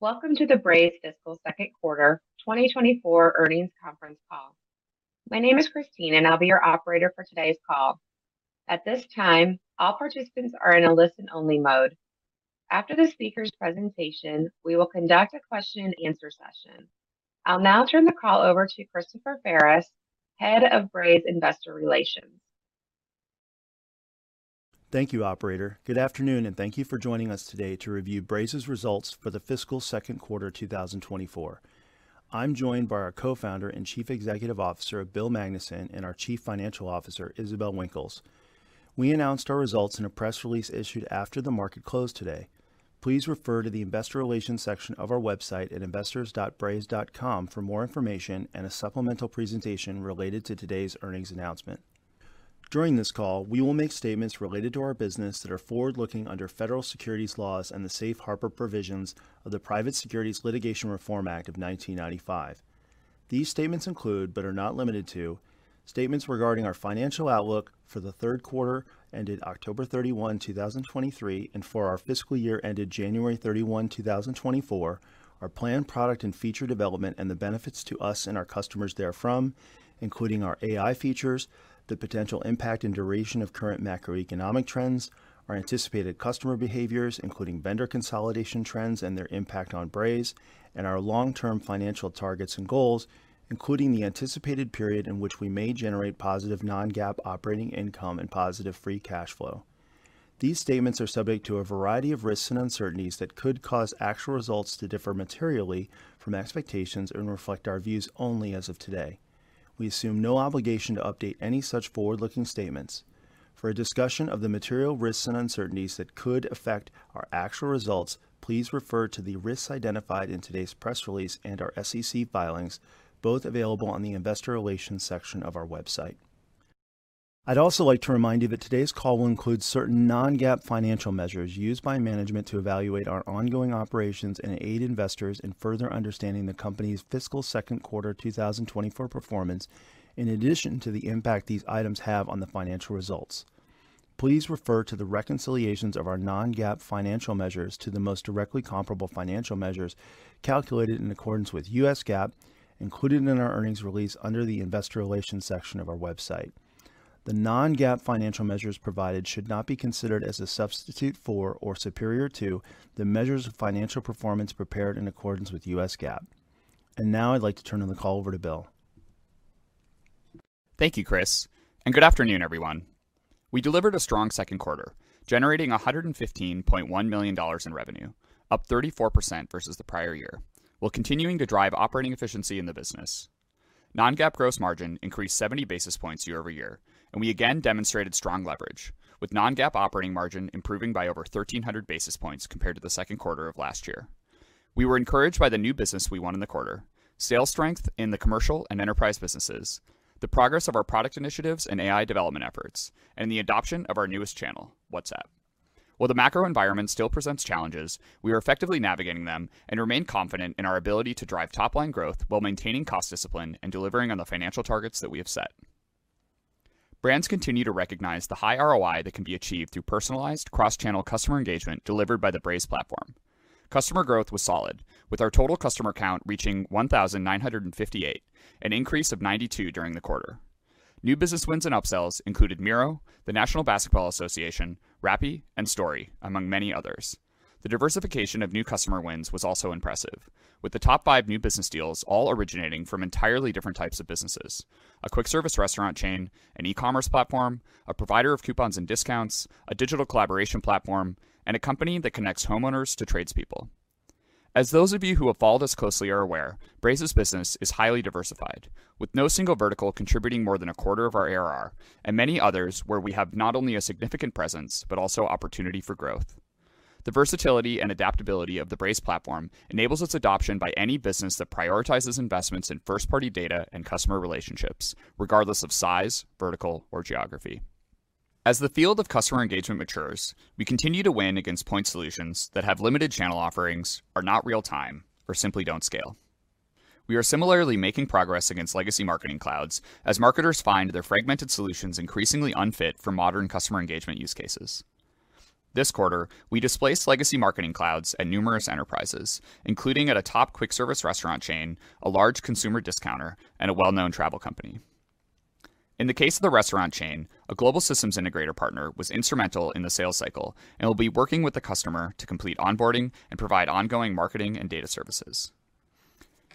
Welcome to the Braze Fiscal Second Quarter 2024 Earnings Conference Call. My name is Christine, and I'll be your operator for today's call. At this time, all participants are in a listen-only mode. After the speaker's presentation, we will conduct a question-and-answer session. I'll now turn the call over to Christopher Ferris, Head of Braze Investor Relations. Thank you, operator. Good afternoon, and thank you for joining us today to review Braze's results for the fiscal second quarter, 2024. I'm joined by our Co-founder and Chief Executive Officer, Bill Magnuson; and our Chief Financial Officer, Isabelle Winkels. We announced our results in a press release issued after the market closed today. Please refer to the Investor Relations section of our website at investors.braze.com for more information and a supplemental presentation related to today's earnings announcement. During this call, we will make statements related to our business that are forward-looking under federal securities laws and the Safe Harbor provisions of the Private Securities Litigation Reform Act of 1995. These statements include, but are not limited to, statements regarding our financial outlook for the third quarter ended October 31, 2023, and for our fiscal year ended January 31, 2024, our planned product and feature development and the benefits to us and our customers therefrom, including our AI features, the potential impact and duration of current macroeconomic trends, our anticipated customer behaviors, including vendor consolidation trends and their impact on Braze, and our long-term financial targets and goals, including the anticipated period in which we may generate positive non-GAAP operating income and positive free cash flow. These statements are subject to a variety of risks and uncertainties that could cause actual results to differ materially from expectations and reflect our views only as of today. We assume no obligation to update any such forward-looking statements. For a discussion of the material risks and uncertainties that could affect our actual results, please refer to the risks identified in today's press release and our SEC filings, both available on the Investor Relations section of our website. I'd also like to remind you that today's call will include certain non-GAAP financial measures used by management to evaluate our ongoing operations and aid investors in further understanding the company's fiscal second quarter, 2024 performance, in addition to the impact these items have on the financial results. Please refer to the reconciliations of our non-GAAP financial measures to the most directly comparable financial measures calculated in accordance with U.S. GAAP, included in our earnings release under the Investor Relations section of our website. The non-GAAP financial measures provided should not be considered as a substitute for or superior to the measures of financial performance prepared in accordance with U.S. GAAP. Now I'd like to turn the call over to Bill. Thank you, Chris, and good afternoon, everyone. We delivered a strong second quarter, generating $115.1 million in revenue, up 34% versus the prior year, while continuing to drive operating efficiency in the business. Non-GAAP gross margin increased 70 basis points year-over-year, and we again demonstrated strong leverage, with non-GAAP operating margin improving by over 1,300 basis points compared to the second quarter of last year. We were encouraged by the new business we won in the quarter, sales strength in the commercial and enterprise businesses, the progress of our product initiatives and AI development efforts, and the adoption of our newest channel, WhatsApp. While the macro environment still presents challenges, we are effectively navigating them and remain confident in our ability to drive top-line growth while maintaining cost discipline and delivering on the financial targets that we have set. Brands continue to recognize the high ROI that can be achieved through personalized cross-channel customer engagement delivered by the Braze platform. Customer growth was solid, with our total customer count reaching 1,958, an increase of 92 during the quarter. New business wins and upsells included Miro, the National Basketball Association, Rappi, and Stori, among many others. The diversification of new customer wins was also impressive, with the top five new business deals all originating from entirely different types of businesses: a quick service restaurant chain, an e-commerce platform, a provider of coupons and discounts, a digital collaboration platform, and a company that connects homeowners to tradespeople. As those of you who have followed us closely are aware, Braze's business is highly diversified, with no single vertical contributing more than a quarter of our ARR and many others where we have not only a significant presence, but also opportunity for growth. The versatility and adaptability of the Braze platform enables its adoption by any business that prioritizes investments in first-party data and customer relationships, regardless of size, vertical, or geography. As the field of customer engagement matures, we continue to win against point solutions that have limited channel offerings, are not real-time, or simply don't scale. We are similarly making progress against legacy marketing clouds as marketers find their fragmented solutions increasingly unfit for modern customer engagement use cases. This quarter, we displaced legacy marketing clouds at numerous enterprises, including at a top quick-service restaurant chain, a large consumer discounter, and a well-known travel company. In the case of the restaurant chain, a global systems integrator partner was instrumental in the sales cycle and will be working with the customer to complete onboarding and provide ongoing marketing and data services.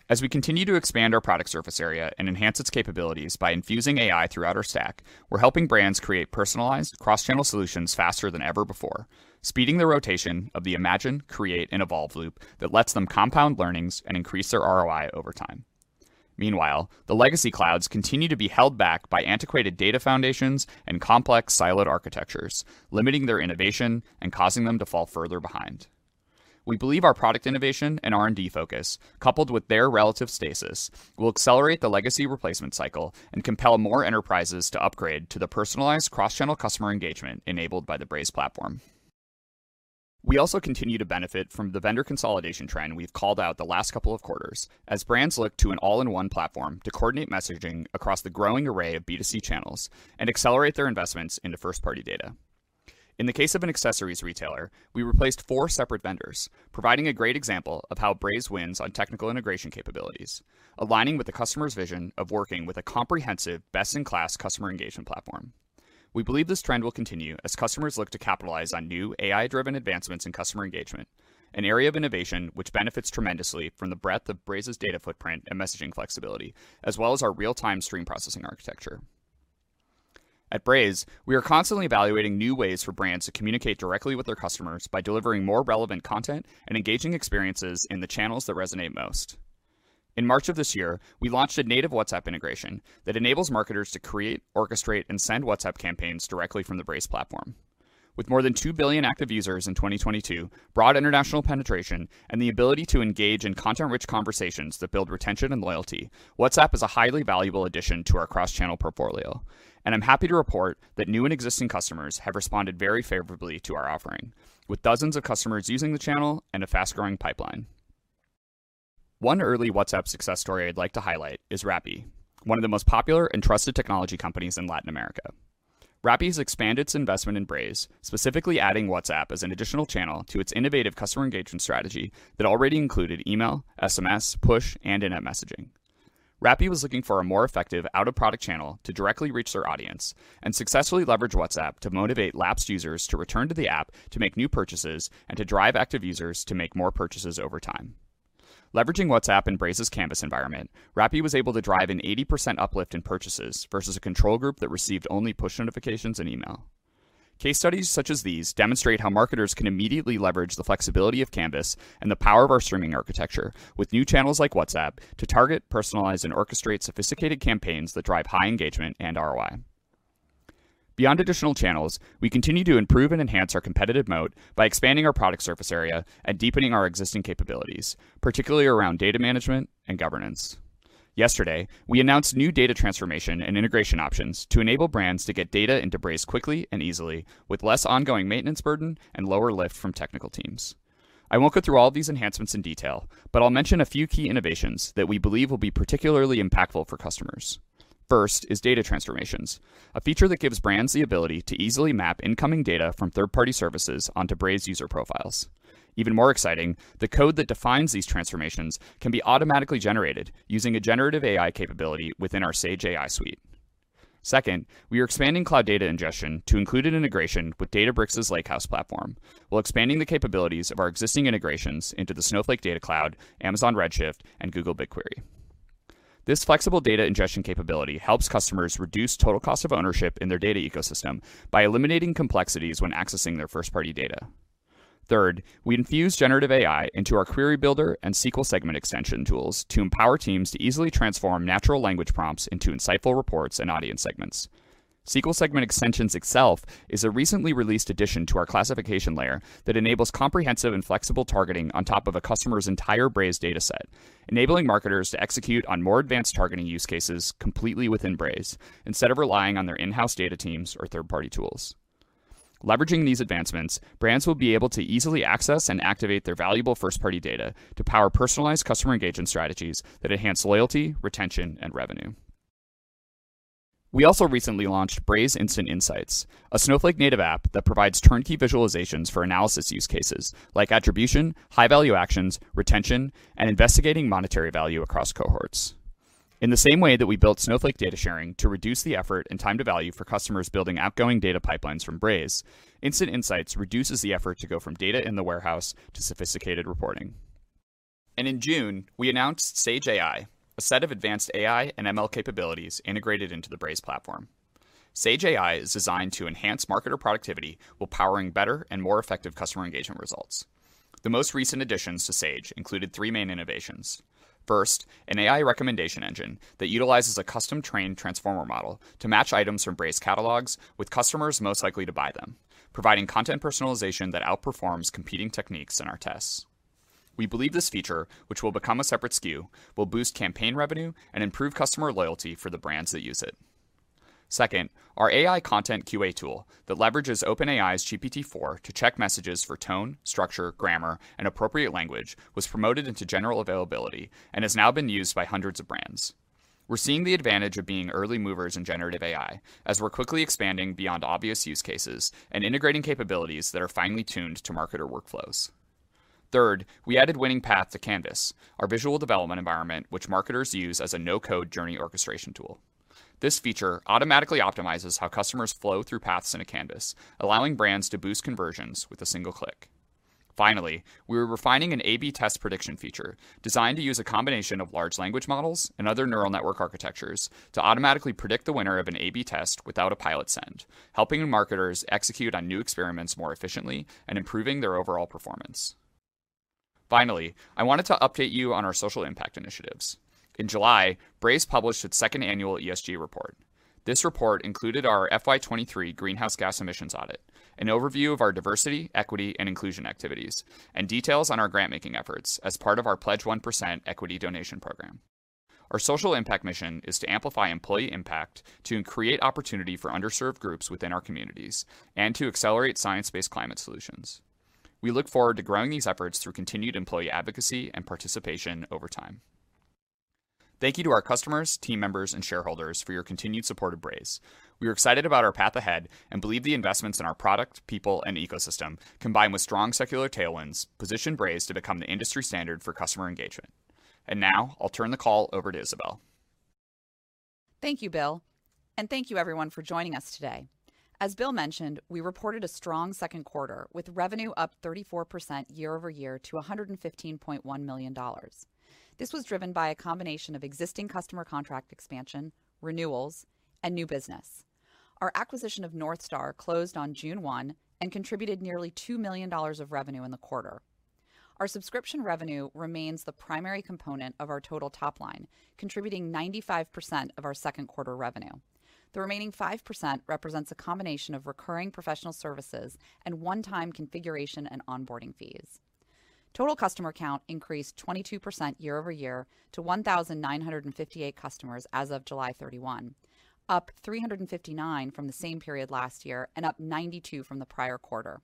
As we continue to expand our product surface area and enhance its capabilities by infusing AI throughout our stack, we're helping brands create personalized cross-channel solutions faster than ever before, speeding the rotation of the Imagine, Create, and Evolve loop that lets them compound learnings and increase their ROI over time. Meanwhile, the legacy clouds continue to be held back by antiquated data foundations and complex siloed architectures, limiting their innovation and causing them to fall further behind. We believe our product innovation and R&D focus, coupled with their relative stasis, will accelerate the legacy replacement cycle and compel more enterprises to upgrade to the personalized cross-channel customer engagement enabled by the Braze platform. We also continue to benefit from the vendor consolidation trend we've called out the last couple of quarters, as brands look to an all-in-one platform to coordinate messaging across the growing array of B2C channels and accelerate their investments into first-party data. In the case of an accessories retailer, we replaced four separate vendors, providing a great example of how Braze wins on technical integration capabilities, aligning with the customer's vision of working with a comprehensive, best-in-class customer engagement platform. We believe this trend will continue as customers look to capitalize on new AI-driven advancements in customer engagement, an area of innovation which benefits tremendously from the breadth of Braze's data footprint and messaging flexibility, as well as our real-time stream processing architecture. At Braze, we are constantly evaluating new ways for brands to communicate directly with their customers by delivering more relevant content and engaging experiences in the channels that resonate most. In March of this year, we launched a native WhatsApp integration that enables marketers to create, orchestrate, and send WhatsApp campaigns directly from the Braze platform. With more than 2 billion active users in 2022, broad international penetration, and the ability to engage in content-rich conversations that build retention and loyalty, WhatsApp is a highly valuable addition to our cross-channel portfolio, and I'm happy to report that new and existing customers have responded very favorably to our offering, with dozens of customers using the channel and a fast-growing pipeline. One early WhatsApp success story I'd like to highlight is Rappi, one of the most popular and trusted technology companies in Latin America. Rappi has expanded its investment in Braze, specifically adding WhatsApp as an additional channel to its innovative customer engagement strategy that already included email, SMS, push, in-app messaging. Rappi was looking for a more effective out-of-product channel to directly reach their audience and successfully leverage WhatsApp to motivate lapsed users to return to the app to make new purchases and to drive active users to make more purchases over time. Leveraging WhatsApp and Braze's Canvas environment, Rappi was able to drive an 80% uplift in purchases versus a control group that received only push notifications and email. Case studies such as these demonstrate how marketers can immediately leverage the flexibility of Canvas and the power of our streaming architecture with new channels like WhatsApp to target, personalize, and orchestrate sophisticated campaigns that drive high engagement and ROI. Beyond additional channels, we continue to improve and enhance our competitive moat by expanding our product surface area and deepening our existing capabilities, particularly around data management and governance. Yesterday, we announced new data transformation and integration options to enable brands to get data into Braze quickly and easily, with less ongoing maintenance burden and lower lift from technical teams. I won't go through all of these enhancements in detail, but I'll mention a few key innovations that we believe will be particularly impactful for customers. First is data transformations, a feature that gives brands the ability to easily map incoming data from third-party services onto Braze user profiles. Even more exciting, the code that defines these transformations can be automatically generated using a generative AI capability within our Sage AI suite. Second, we are expanding Cloud Data Ingestion to include an integration with Databricks Lakehouse Platform, while expanding the capabilities of our existing integrations into the Snowflake Data Cloud, Amazon Redshift, and Google BigQuery. This flexible data ingestion capability helps customers reduce total cost of ownership in their data ecosystem by eliminating complexities when accessing their first-party data. Third, we infused generative AI into our Query Builder and SQL Segment Extensions tools to empower teams to easily transform natural language prompts into insightful reports and audience segments. SQL Segment Extensions itself is a recently released addition to our classification layer that enables comprehensive and flexible targeting on top of a customer's entire Braze data set, enabling marketers to execute on more advanced targeting use cases completely within Braze, instead of relying on their in-house data teams or third-party tools. Leveraging these advancements, brands will be able to easily access and activate their valuable first-party data to power personalized customer engagement strategies that enhance loyalty, retention, and revenue. We also recently launched Braze Instant Insights, a Snowflake native app that provides turnkey visualizations for analysis use cases like attribution, high-value actions, retention, and investigating monetary value across cohorts. In the same way that we built Snowflake data sharing to reduce the effort and time to value for customers building outgoing data pipelines from Braze, Instant Insights reduces the effort to go from data in the warehouse to sophisticated reporting. In June, we announced Sage AI, a set of advanced AI and ML capabilities integrated into the Braze platform. Sage AI is designed to enhance marketer productivity while powering better and more effective customer engagement results. The most recent additions to Sage included three main innovations. First, an AI recommendation engine that utilizes a custom-trained Transformer model to match items from Braze catalogs with customers most likely to buy them, providing content personalization that outperforms competing techniques in our tests. We believe this feature, which will become a separate SKU, will boost campaign revenue and improve customer loyalty for the brands that use it. Second, our AI content QA tool that leverages OpenAI GPT-4 to check messages for tone, structure, grammar, and appropriate language was promoted into general availability and has now been used by hundreds of brands. We're seeing the advantage of being early movers in generative AI, as we're quickly expanding beyond obvious use cases and integrating capabilities that are finely tuned to marketer workflows. Third, we added Winning Path to Canvas, our visual development environment, which marketers use as a no-code journey orchestration tool. This feature automatically optimizes how customers flow through paths in a canvas, allowing brands to boost conversions with a single click. Finally, we are refining an A/B test prediction feature designed to use a combination of large language models and other neural network architectures to automatically predict the winner of an A/B test without a pilot send, helping marketers execute on new experiments more efficiently and improving their overall performance. Finally, I wanted to update you on our social impact initiatives. In July, Braze published its second annual ESG report. This report included our FY 2023 greenhouse gas emissions audit, an overview of our diversity, equity, and inclusion activities, and details on our grant-making efforts as part of our Pledge 1% equity donation program. Our social impact mission is to amplify employee impact, to create opportunity for underserved groups within our communities, and to accelerate science-based climate solutions. We look forward to growing these efforts through continued employee advocacy and participation over time. Thank you to our customers, team members, and shareholders for your continued support of Braze. We are excited about our path ahead and believe the investments in our product, people, and ecosystem, combined with strong secular tailwinds, position Braze to become the industry standard for customer engagement. Now I'll turn the call over to Isabelle. Thank you, Bill, and thank you everyone for joining us today. As Bill mentioned, we reported a strong second quarter, with revenue up 34% year-over-year to $115.1 million. This was driven by a combination of existing customer contract expansion, renewals, and new business. Our acquisition of North Star closed on June 1 and contributed nearly $2 million of revenue in the quarter. Our subscription revenue remains the primary component of our total top line, contributing 95% of our second quarter revenue. The remaining 5% represents a combination of recurring professional services and one-time configuration and onboarding fees. Total customer count increased 22% year-over-year to 1,958 customers as of July 31, up 359 from the same period last year and up 92 from the prior quarter.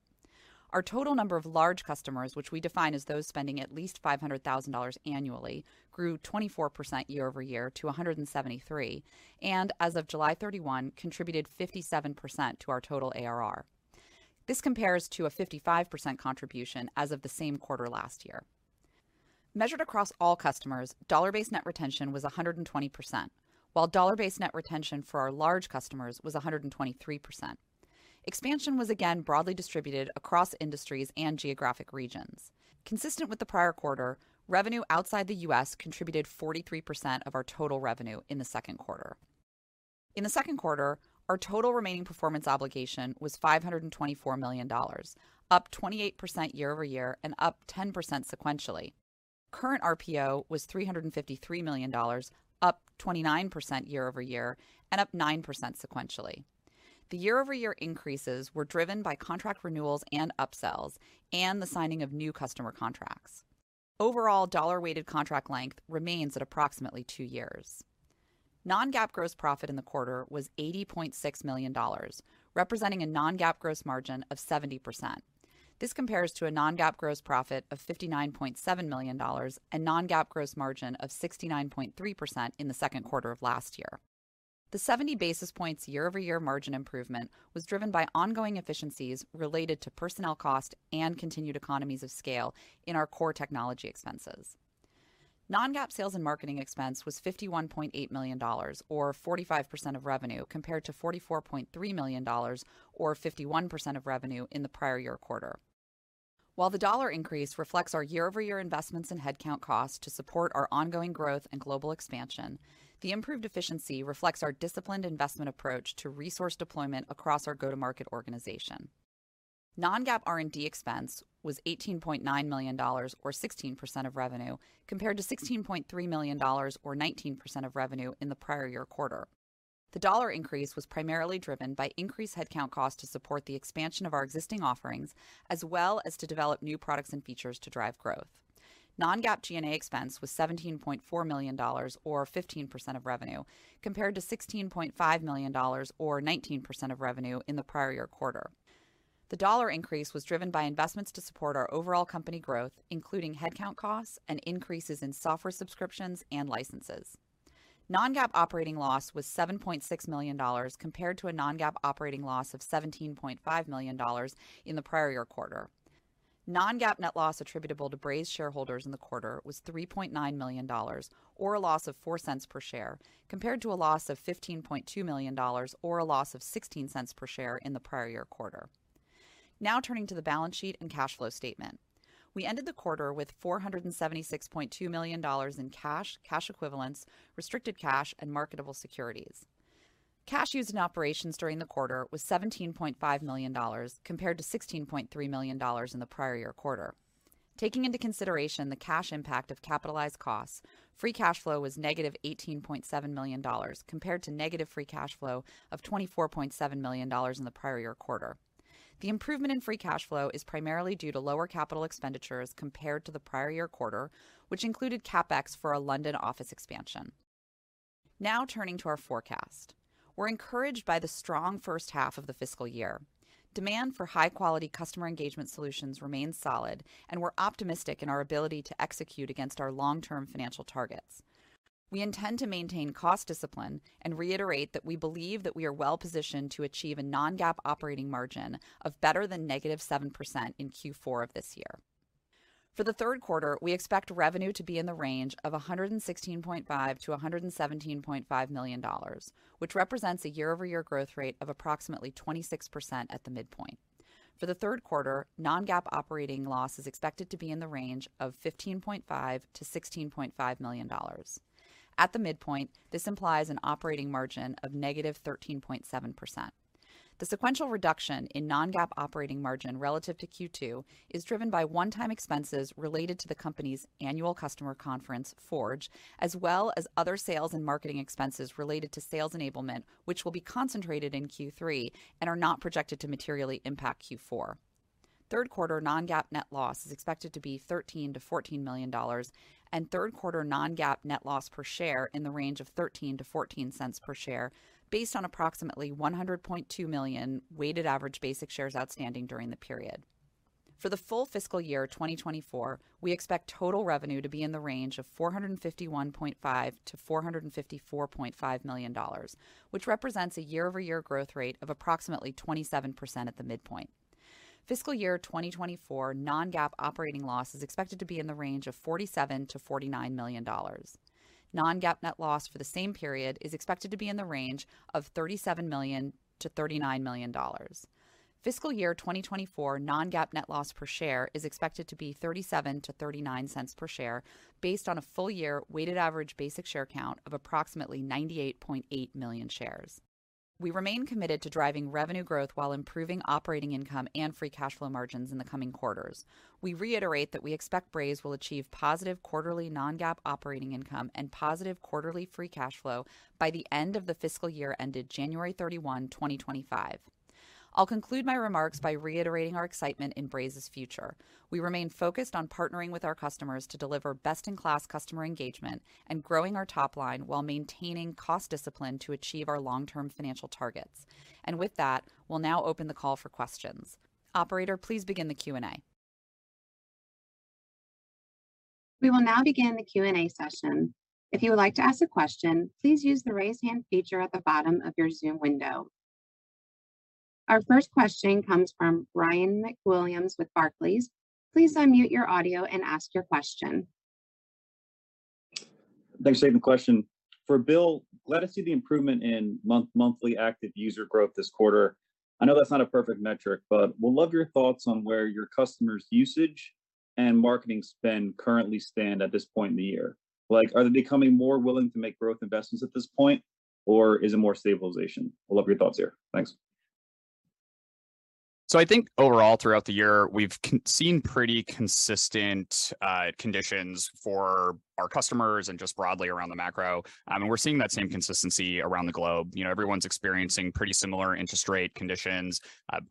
Our total number of large customers, which we define as those spending at least $500,000 annually, grew 24% year-over-year to 173, and as of July 31, contributed 57% to our total ARR. This compares to a 55% contribution as of the same quarter last year. Measured across all customers, dollar-based net retention was 120%, while dollar-based net retention for our large customers was 123%. Expansion was again broadly distributed across industries and geographic regions. Consistent with the prior quarter, revenue outside the U.S. contributed 43% of our total revenue in the second quarter. In the second quarter, our total remaining performance obligation was $524 million, up 28% year-over-year and up 10% sequentially. Current RPO was $353 million, up 29% year-over-year and up 9% sequentially. The year-over-year increases were driven by contract renewals and upsells and the signing of new customer contracts. Overall, dollar-weighted contract length remains at approximately two years. Non-GAAP gross profit in the quarter was $80.6 million, representing a non-GAAP gross margin of 70%. This compares to a non-GAAP gross profit of $59.7 million and non-GAAP gross margin of 69.3% in the second quarter of last year. The 70 basis points year-over-year margin improvement was driven by ongoing efficiencies related to personnel cost and continued economies of scale in our core technology expenses. Non-GAAP sales and marketing expense was $51.8 million, or 45% of revenue, compared to $44.3 million, or 51% of revenue in the prior year quarter. While the dollar increase reflects our year-over-year investments in headcount costs to support our ongoing growth and global expansion, the improved efficiency reflects our disciplined investment approach to resource deployment across our go-to-market organization. Non-GAAP R&D expense was $18.9 million, or 16% of revenue, compared to $16.3 million, or 19% of revenue in the prior year quarter. The dollar increase was primarily driven by increased headcount costs to support the expansion of our existing offerings, as well as to develop new products and features to drive growth. Non-GAAP G&A expense was $17.4 million, or 15% of revenue, compared to $16.5 million, or 19% of revenue in the prior year quarter. The dollar increase was driven by investments to support our overall company growth, including headcount costs and increases in software subscriptions and licenses. Non-GAAP operating loss was $7.6 million, compared to a non-GAAP operating loss of $17.5 million in the prior year quarter. Non-GAAP net loss attributable to Braze shareholders in the quarter was $3.9 million, or a loss of $0.04 per share, compared to a loss of $15.2 million, or a loss of $0.16 per share in the prior year quarter. Now turning to the balance sheet and cash flow statement. We ended the quarter with $476.2 million in cash, cash equivalents, restricted cash, and marketable securities. Cash used in operations during the quarter was $17.5 million, compared to $16.3 million in the prior year quarter. Taking into consideration the cash impact of capitalized costs, free cash flow was $-18.7 million, compared to negative free cash flow of $24.7 million in the prior year quarter. The improvement in free cash flow is primarily due to lower capital expenditures compared to the prior year quarter, which included CapEx for our London office expansion. Now turning to our forecast. We're encouraged by the strong first half of the fiscal year. Demand for high-quality customer engagement solutions remains solid, and we're optimistic in our ability to execute against our long-term financial targets. We intend to maintain cost discipline and reiterate that we believe that we are well positioned to achieve a non-GAAP operating margin of better than negative 7% in Q4 of this year. For the third quarter, we expect revenue to be in the range of $116.5 million-$117.5 million, which represents a year-over-year growth rate of approximately 26% at the midpoint. For the third quarter, non-GAAP operating loss is expected to be in the range of $15.5 million-$16.5 million. At the midpoint, this implies an operating margin of negative 13.7%. The sequential reduction in non-GAAP operating margin relative to Q2 is driven by one-time expenses related to the company's annual customer conference, Forge, as well as other sales and marketing expenses related to sales enablement, which will be concentrated in Q3 and are not projected to materially impact Q4. Third quarter non-GAAP net loss is expected to be $13 million-$14 million, and third quarter non-GAAP net loss per share in the range of $13-$14 cents per share, based on approximately 100.2 million weighted average basic shares outstanding during the period. For the full fiscal year 2024, we expect total revenue to be in the range of $451.5 million-$454.5 million, which represents a year-over-year growth rate of approximately 27% at the midpoint. Fiscal year 2024 non-GAAP operating loss is expected to be in the range of $47 million-$49 million. Non-GAAP net loss for the same period is expected to be in the range of $37 million-$39 million. Fiscal year 2024 non-GAAP net loss per share is expected to be $37-$39 cents per share, based on a full year weighted average basic share count of approximately 98.8 million shares. We remain committed to driving revenue growth while improving Operating Income and free cash flow margins in the coming quarters. We reiterate that we expect Braze will achieve positive quarterly non-GAAP operating income and positive quarterly free cash flow by the end of the fiscal year ended January 31, 2025. I'll conclude my remarks by reiterating our excitement in Braze's future. We remain focused on partnering with our customers to deliver best-in-class customer engagement and growing our top line, while maintaining cost discipline to achieve our long-term financial targets. With that, we'll now open the call for questions. Operator, please begin the Q&A. We will now begin the Q&A session. If you would like to ask a question, please use the Raise Hand feature at the bottom of your Zoom window. Our first question comes from Ryan MacWilliams with Barclays. Please unmute your audio and ask your question. Thanks for taking the question. For Bill, glad to see the improvement in monthly active user growth this quarter. I know that's not a perfect metric, but would love your thoughts on where your customers' usage and marketing spend currently stand at this point in the year. Like, are they becoming more willing to make growth investments at this point, or is it more stabilization? I'd love your thoughts here. Thanks. So I think overall, throughout the year, we've consistently seen pretty consistent conditions for our customers and just broadly around the macro. And we're seeing that same consistency around the globe. You know, everyone's experiencing pretty similar interest rate conditions.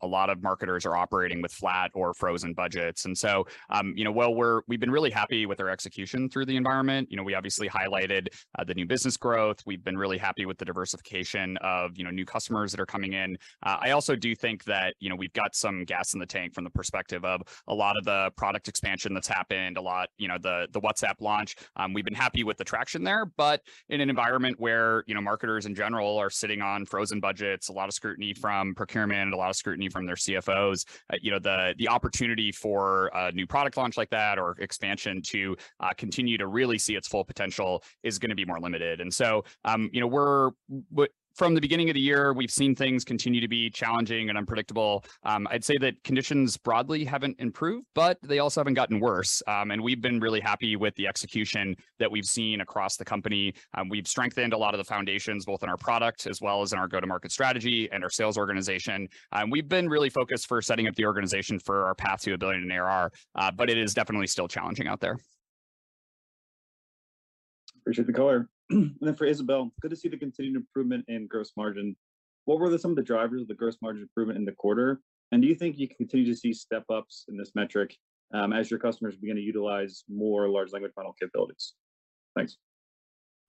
A lot of marketers are operating with flat or frozen budgets. And so, you know, while we've been really happy with our execution through the environment, you know, we obviously highlighted the new business growth. We've been really happy with the diversification of, you know, new customers that are coming in. I also do think that, you know, we've got some gas in the tank from the perspective of a lot of the product expansion that's happened, you know, the WhatsApp launch. We've been happy with the traction there, but in an environment where, you know, marketers, in general, are sitting on frozen budgets, a lot of scrutiny from procurement, a lot of scrutiny from their CFOs. You know, the opportunity for a new product launch like that or expansion to continue to really see its full potential is gonna be more limited. And so, you know, from the beginning of the year, we've seen things continue to be challenging and unpredictable. I'd say that conditions broadly haven't improved, but they also haven't gotten worse. And we've been really happy with the execution that we've seen across the company. We've strengthened a lot of the foundations, both in our product, as well as in our go-to-market strategy and our sales organization. We've been really focused for setting up the organization for our path to $1 billion in ARR, but it is definitely still challenging out there. Appreciate the color. And then for Isabelle, good to see the continued improvement in gross margin. What were some of the drivers of the gross margin improvement in the quarter? And do you think you continue to see step-ups in this metric as your customers begin to utilize more Large Language Model capabilities? Thanks.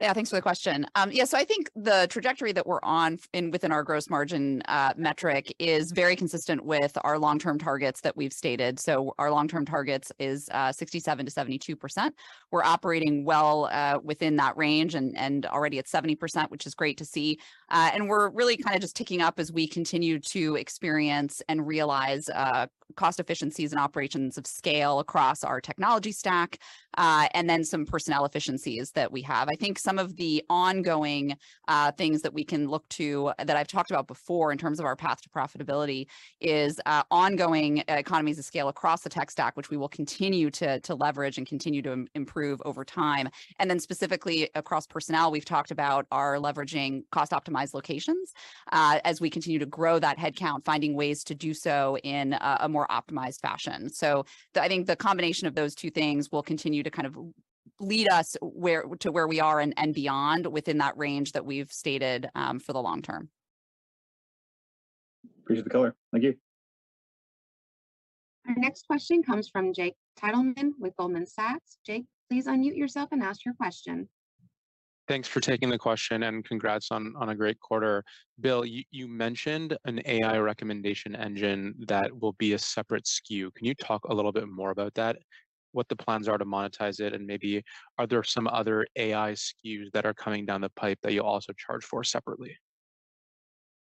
Yeah, thanks for the question. Yeah, so I think the trajectory that we're on within our gross margin metric is very consistent with our long-term targets that we've stated. So our long-term targets is 67%-72%. We're operating well within that range, and already at 70%, which is great to see. And we're really kind of just ticking up as we continue to experience and realize cost efficiencies and operations of scale across our technology stack, and then some personnel efficiencies that we have. I think some of the ongoing things that we can look to, that I've talked about before in terms of our path to profitability, is ongoing economies of scale across the tech stack, which we will continue to leverage and continue to improve over time. And then specifically across personnel, we've talked about our leveraging cost-optimized locations, as we continue to grow that head count, finding ways to do so in a more optimized fashion. So I think the combination of those two things will continue to kind of lead us to where we are and beyond, within that range that we've stated, for the long term. Appreciate the color. Thank you. Our next question comes from Jacob Titleman with Goldman Sachs. Jacob, please unmute yourself and ask your question. Thanks for taking the question, and congrats on a great quarter. Bill, you mentioned an AI recommendation engine that will be a separate SKU. Can you talk a little bit more about that, what the plans are to monetize it, and maybe are there some other AI SKUs that are coming down the pipe that you'll also charge for separately?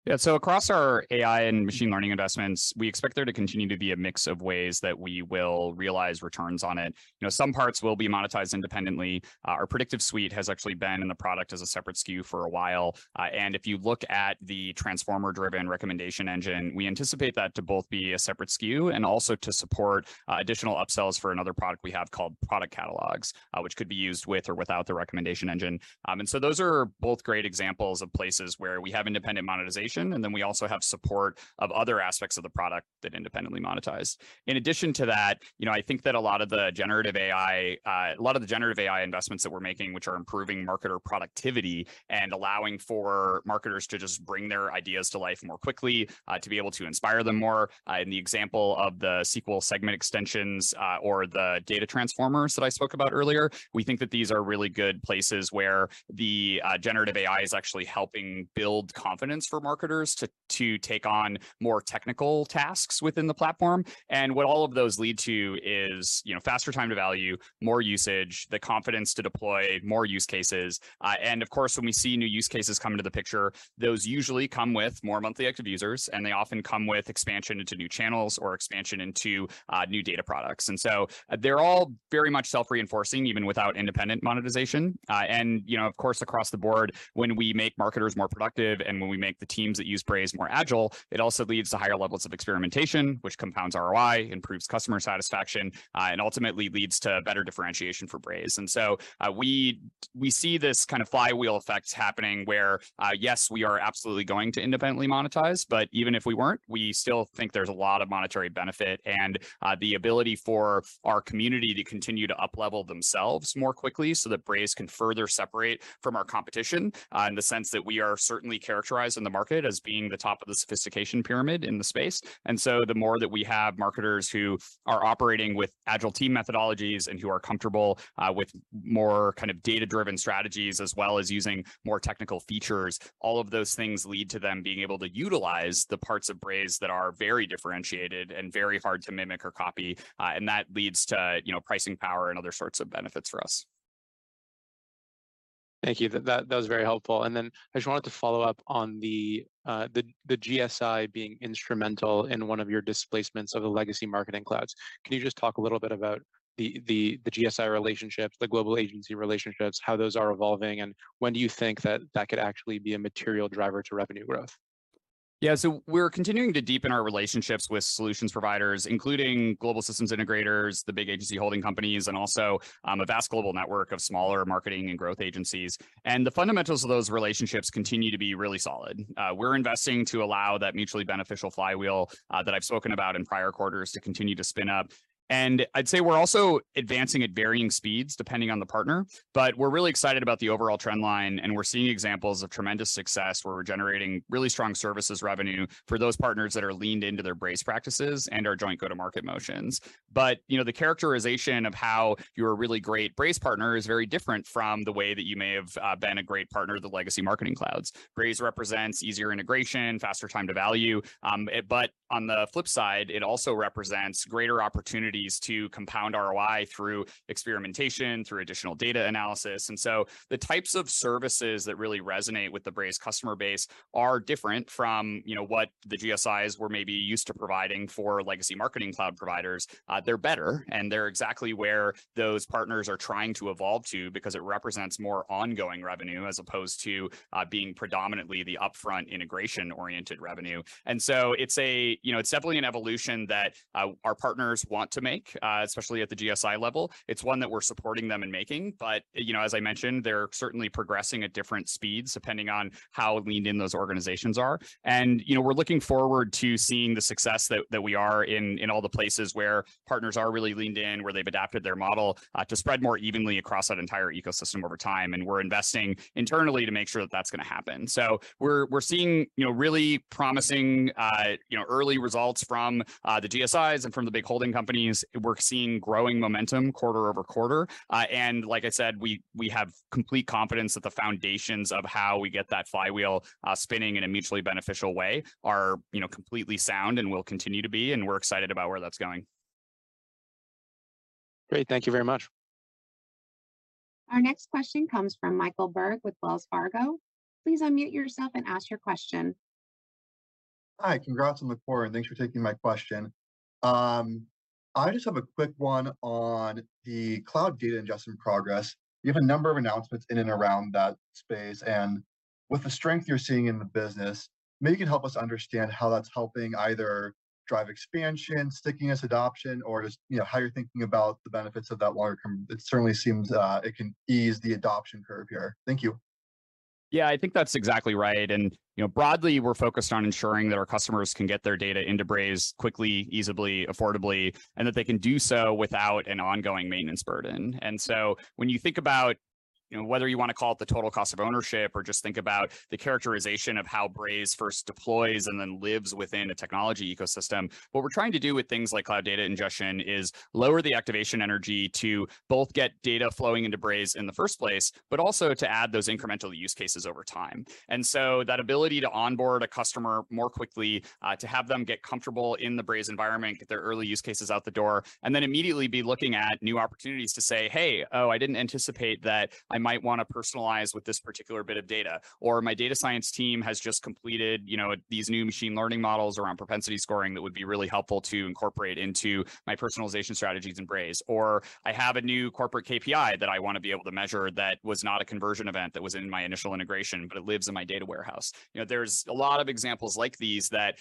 Yeah, so across our AI and machine learning investments, we expect there to continue to be a mix of ways that we will realize returns on it. You know, some parts will be monetized independently. Our Predictive Suite has actually been in the product as a separate SKU for a while. And if you look at the transformer-driven recommendation engine, we anticipate that to both be a separate SKU and also to support additional upsells for another product we have called Product Catalogs, which could be used with or without the recommendation engine. And so those are both great examples of places where we have independent monetization, and then we also have support of other aspects of the product that independently monetize. In addition to that, you know, I think that a lot of the generative AII, a lot of the generative AI investments that we're making, which are improving marketer productivity and allowing for marketers to just bring their ideas to life more quickly, to be able to inspire them more. In the example of the SQL Segment Extensions, or the data transformers that I spoke about earlier, we think that these are really good places where the, generative AI is actually helping build confidence for marketers to, to take on more technical tasks within the platform. And what all of those lead to is, you know, faster time to value, more usage, the confidence to deploy more use cases. And, of course, when we see new use cases come into the picture, those usually come with more monthly active users, and they often come with expansion into new channels or expansion into new data products. And so they're all very much self-reinforcing, even without independent monetization. And, you know, of course, across the board, when we make marketers more productive, and when we make the teams that use Braze more agile, it also leads to higher levels of experimentation, which compounds ROI, improves customer satisfaction, and ultimately leads to better differentiation for Braze. And so, we, we see this kind of flywheel effect happening where, yes, we are absolutely going to independently monetize, but even if we weren't, we still think there's a lot of monetary benefit and, the ability for our community to continue to uplevel themselves more quickly, so that Braze can further separate from our competition. In the sense that we are certainly characterized in the market as being the top of the sophistication pyramid in the space. And so the more that we have marketers who are operating with agile team methodologies and who are comfortable, with more kind of data-driven strategies, as well as using more technical features, all of those things lead to them being able to utilize the parts of Braze that are very differentiated and very hard to mimic or copy. That leads to, you know, pricing power and other sorts of benefits for us. Thank you. That was very helpful. And then I just wanted to follow up on the GSI being instrumental in one of your displacements of the legacy marketing clouds. Can you just talk a little bit about the GSI relationships, the global agency relationships, how those are evolving, and when do you think that could actually be a material driver to revenue growth? Yeah, so we're continuing to deepen our relationships with solutions providers, including global systems integrators, the big agency holding companies, and also, a vast global network of smaller marketing and growth agencies. And the fundamentals of those relationships continue to be really solid. We're investing to allow that mutually beneficial flywheel, that I've spoken about in prior quarters to continue to spin up. And I'd say we're also advancing at varying speeds, depending on the partner. But we're really excited about the overall trend line, and we're seeing examples of tremendous success, where we're generating really strong services revenue for those partners that are leaned into their Braze practices and our joint go-to-market motions. But, you know, the characterization of how you're a really great Braze partner is very different from the way that you may have, been a great partner to the legacy marketing clouds. Braze represents easier integration, faster time to value. But on the flip side, it also represents greater opportunities to compound ROI through experimentation, through additional data analysis. And so the types of services that really resonate with the Braze customer base are different from, you know, what the GSIs were maybe used to providing for legacy marketing cloud providers. They're better, and they're exactly where those partners are trying to evolve to because it represents more ongoing revenue, as opposed to being predominantly the upfront integration-oriented revenue. And so it's a, you know, it's definitely an evolution that our partners want to make, especially at the GSI level. It's one that we're supporting them in making, but, you know, as I mentioned, they're certainly progressing at different speeds, depending on how leaned in those organizations are. You know, we're looking forward to seeing the success that we are in all the places where partners are really leaned in, where they've adapted their model to spread more evenly across that entire ecosystem over time. We're investing internally to make sure that that's gonna happen. We're seeing, you know, really promising early results from the GSIs and from the big holding companies. We're seeing growing momentum quarter-over-quarter. And like I said, we have complete confidence that the foundations of how we get that flywheel spinning in a mutually beneficial way are, you know, completely sound and will continue to be, and we're excited about where that's going. Great. Thank you very much. Our next question comes from Michael Berg with Wells Fargo. Please unmute yourself and ask your question. Hi, congrats on the quarter, and thanks for taking my question. I just have a quick one on the Cloud Data Ingestion progress. You have a number of announcements in and around that space, and with the strength you're seeing in the business, maybe you can help us understand how that's helping either drive expansion, stickiness, adoption, or just, you know, how you're thinking about the benefits of that longer term. It certainly seems it can ease the adoption curve here. Thank you. Yeah, I think that's exactly right. And, you know, broadly, we're focused on ensuring that our customers can get their data into Braze quickly, easily, affordably, and that they can do so without an ongoing maintenance burden. And so when you think about, you know, whether you want to call it the total cost of ownership, or just think about the characterization of how Braze first deploys and then lives within a technology ecosystem, what we're trying to do with things like Cloud Data Ingestion is lower the activation energy to both get data flowing into Braze in the first place, but also to add those incremental use cases over time. So that ability to onboard a customer more quickly, to have them get comfortable in the Braze environment, get their early use cases out the door, and then immediately be looking at new opportunities to say, "Hey, oh, I didn't anticipate that I might wanna personalize with this particular bit of data," or, "My data science team has just completed, you know, these new machine learning models around propensity scoring that would be really helpful to incorporate into my personalization strategies and Braze." Or, "I have a new corporate KPI that I want to be able to measure that was not a conversion event that was in my initial integration, but it lives in my data warehouse." You know, there's a lot of examples like these that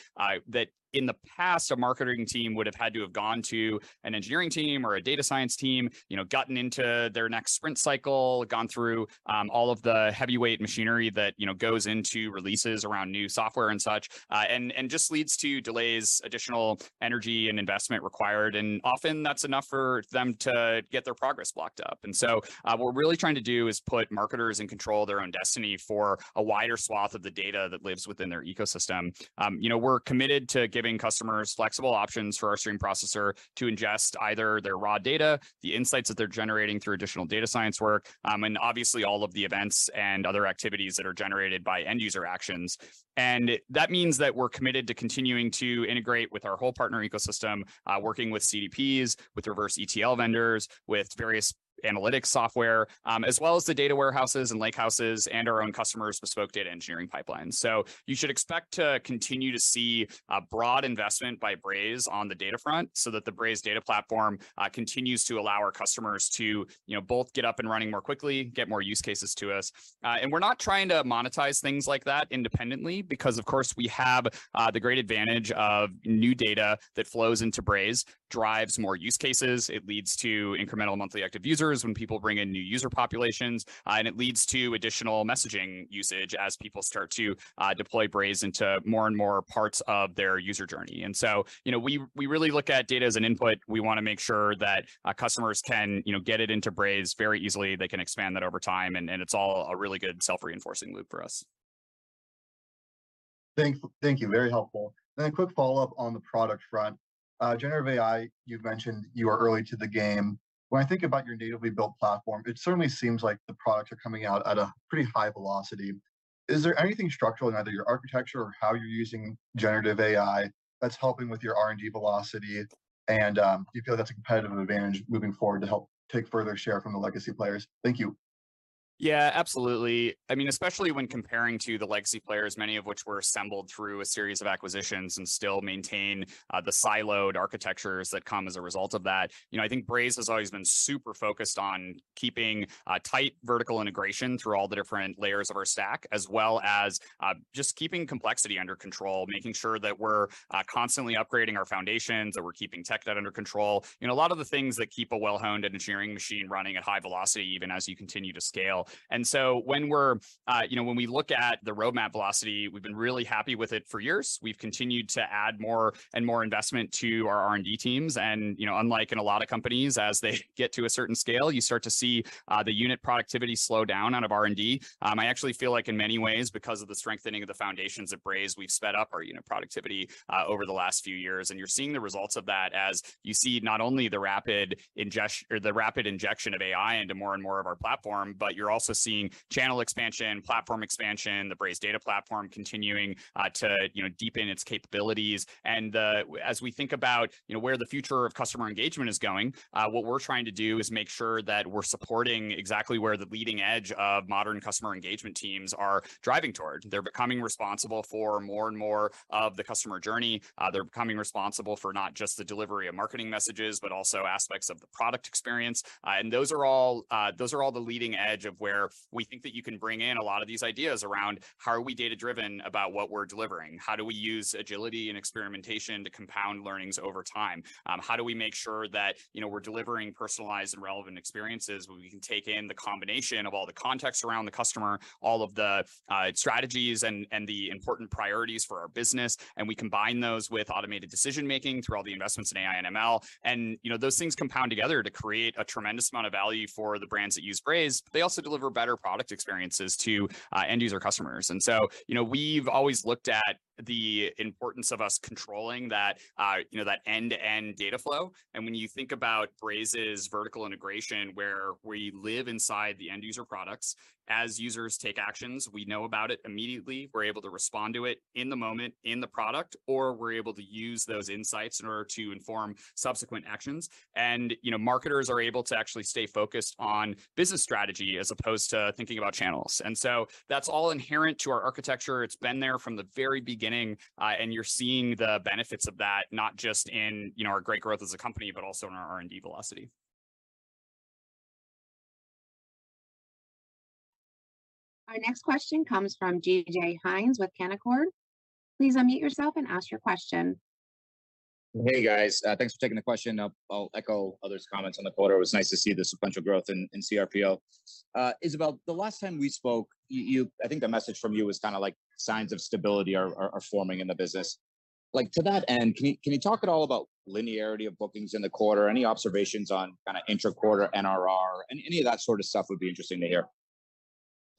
in the past, a marketing team would have had to have gone to an engineering team or a data science team. You know, gotten into their next sprint cycle, gone through all of the heavyweight machinery that, you know, goes into releases around new software and such, and just leads to delays, additional energy and investment required, and often that's enough for them to get their progress blocked up. So, what we're really trying to do is put marketers in control of their own destiny for a wider swath of the data that lives within their ecosystem. You know, we're committed to giving customers flexible options for our stream processor to ingest either their raw data, the insights that they're generating through additional data science work, and obviously all of the events and other activities that are generated by end user actions. That means that we're committed to continuing to integrate with our whole partner ecosystem, working with CDPs, with Reverse ETL vendors, with various analytics software, as well as the data warehouses, and lakehouses, and our own customers' bespoke data engineering pipelines. So you should expect to continue to see a broad investment by Braze on the data front, so that the Braze Data Platform continues to allow our customers to, you know, both get up and running more quickly, get more use cases to us. And we're not trying to monetize things like that independently, because of course, we have the great advantage of new data that flows into Braze, drives more use cases, it leads to incremental monthly active users when people bring in new user populations, and it leads to additional messaging usage as people start to deploy Braze into more and more parts of their user journey. And so, you know, we really look at data as an input. We wanna make sure that customers can, you know, get it into Braze very easily. They can expand that over time, and it's all a really good self-reinforcing loop for us. Thank you. Very helpful. Then a quick follow-up on the product front. Generative AI, you've mentioned you are early to the game. When I think about your natively built platform, it certainly seems like the products are coming out at a pretty high velocity. Is there anything structural in either your architecture or how you're using generative AI, that's helping with your R&D velocity and, do you feel that's a competitive advantage moving forward to help take further share from the legacy players? Thank you. Yeah, absolutely. I mean, especially when comparing to the legacy players, many of which were assembled through a series of acquisitions and still maintain the siloed architectures that come as a result of that. You know, I think Braze has always been super focused on keeping tight vertical integration through all the different layers of our stack, as well as just keeping complexity under control, making sure that we're constantly upgrading our foundations, that we're keeping tech debt under control. You know, a lot of the things that keep a well-honed engineering machine running at high velocity, even as you continue to scale. And so when we're, you know, when we look at the roadmap velocity, we've been really happy with it for years. We've continued to add more and more investment to our R&D teams, and, you know, unlike in a lot of companies, as they get to a certain scale, you start to see the unit productivity slow down out of R&D. I actually feel like in many ways, because of the strengthening of the foundations at Braze, we've sped up our unit productivity over the last few years. And you're seeing the results of that as you see not only the rapid injection of AI into more and more of our platform, but you're also seeing channel expansion, platform expansion, the Braze data platform continuing to, you know, deepen its capabilities. As we think about, you know, where the future of customer engagement is going, what we're trying to do is make sure that we're supporting exactly where the leading edge of modern customer engagement teams are driving toward. They're becoming responsible for more and more of the customer journey. They're becoming responsible for not just the delivery of marketing messages, but also aspects of the product experience. And those are all the leading edge of where we think that you can bring in a lot of these ideas around: How are we data-driven about what we're delivering? How do we use agility and experimentation to compound learnings over time? How do we make sure that, you know, we're delivering personalized and relevant experiences where we can take in the combination of all the context around the customer, all of the strategies, and, and the important priorities for our business? And we combine those with automated decision-making through all the investments in AI and ML, and, you know, those things compound together to create a tremendous amount of value for the brands that use Braze, but they also deliver better product experiences to end user customers. And so, you know, we've always looked at the importance of us controlling that you know that end-to-end data flow. And when you think about Braze's vertical integration, where we live inside the end user products, as users take actions, we know about it immediately. We're able to respond to it in the moment, in the product, or we're able to use those insights in order to inform subsequent actions. And, you know, marketers are able to actually stay focused on business strategy as opposed to thinking about channels. And so, that's all inherent to our architecture. It's been there from the very beginning, and you're seeing the benefits of that, not just in, you know, our great growth as a company, but also in our R&D velocity. Our next question comes from DJ Hynes with Canaccord. Please unmute yourself and ask your question. Hey, guys. Thanks for taking the question. I'll echo others' comments on the quarter. It was nice to see the sequential growth in CRPO. Isabelle, the last time we spoke, I think the message from you was kind of like, signs of stability are forming in the business. Like, to that end, can you talk at all about linearity of bookings in the quarter? Any observations on kinda intra-quarter NRR, and any of that sort of stuff would be interesting to hear.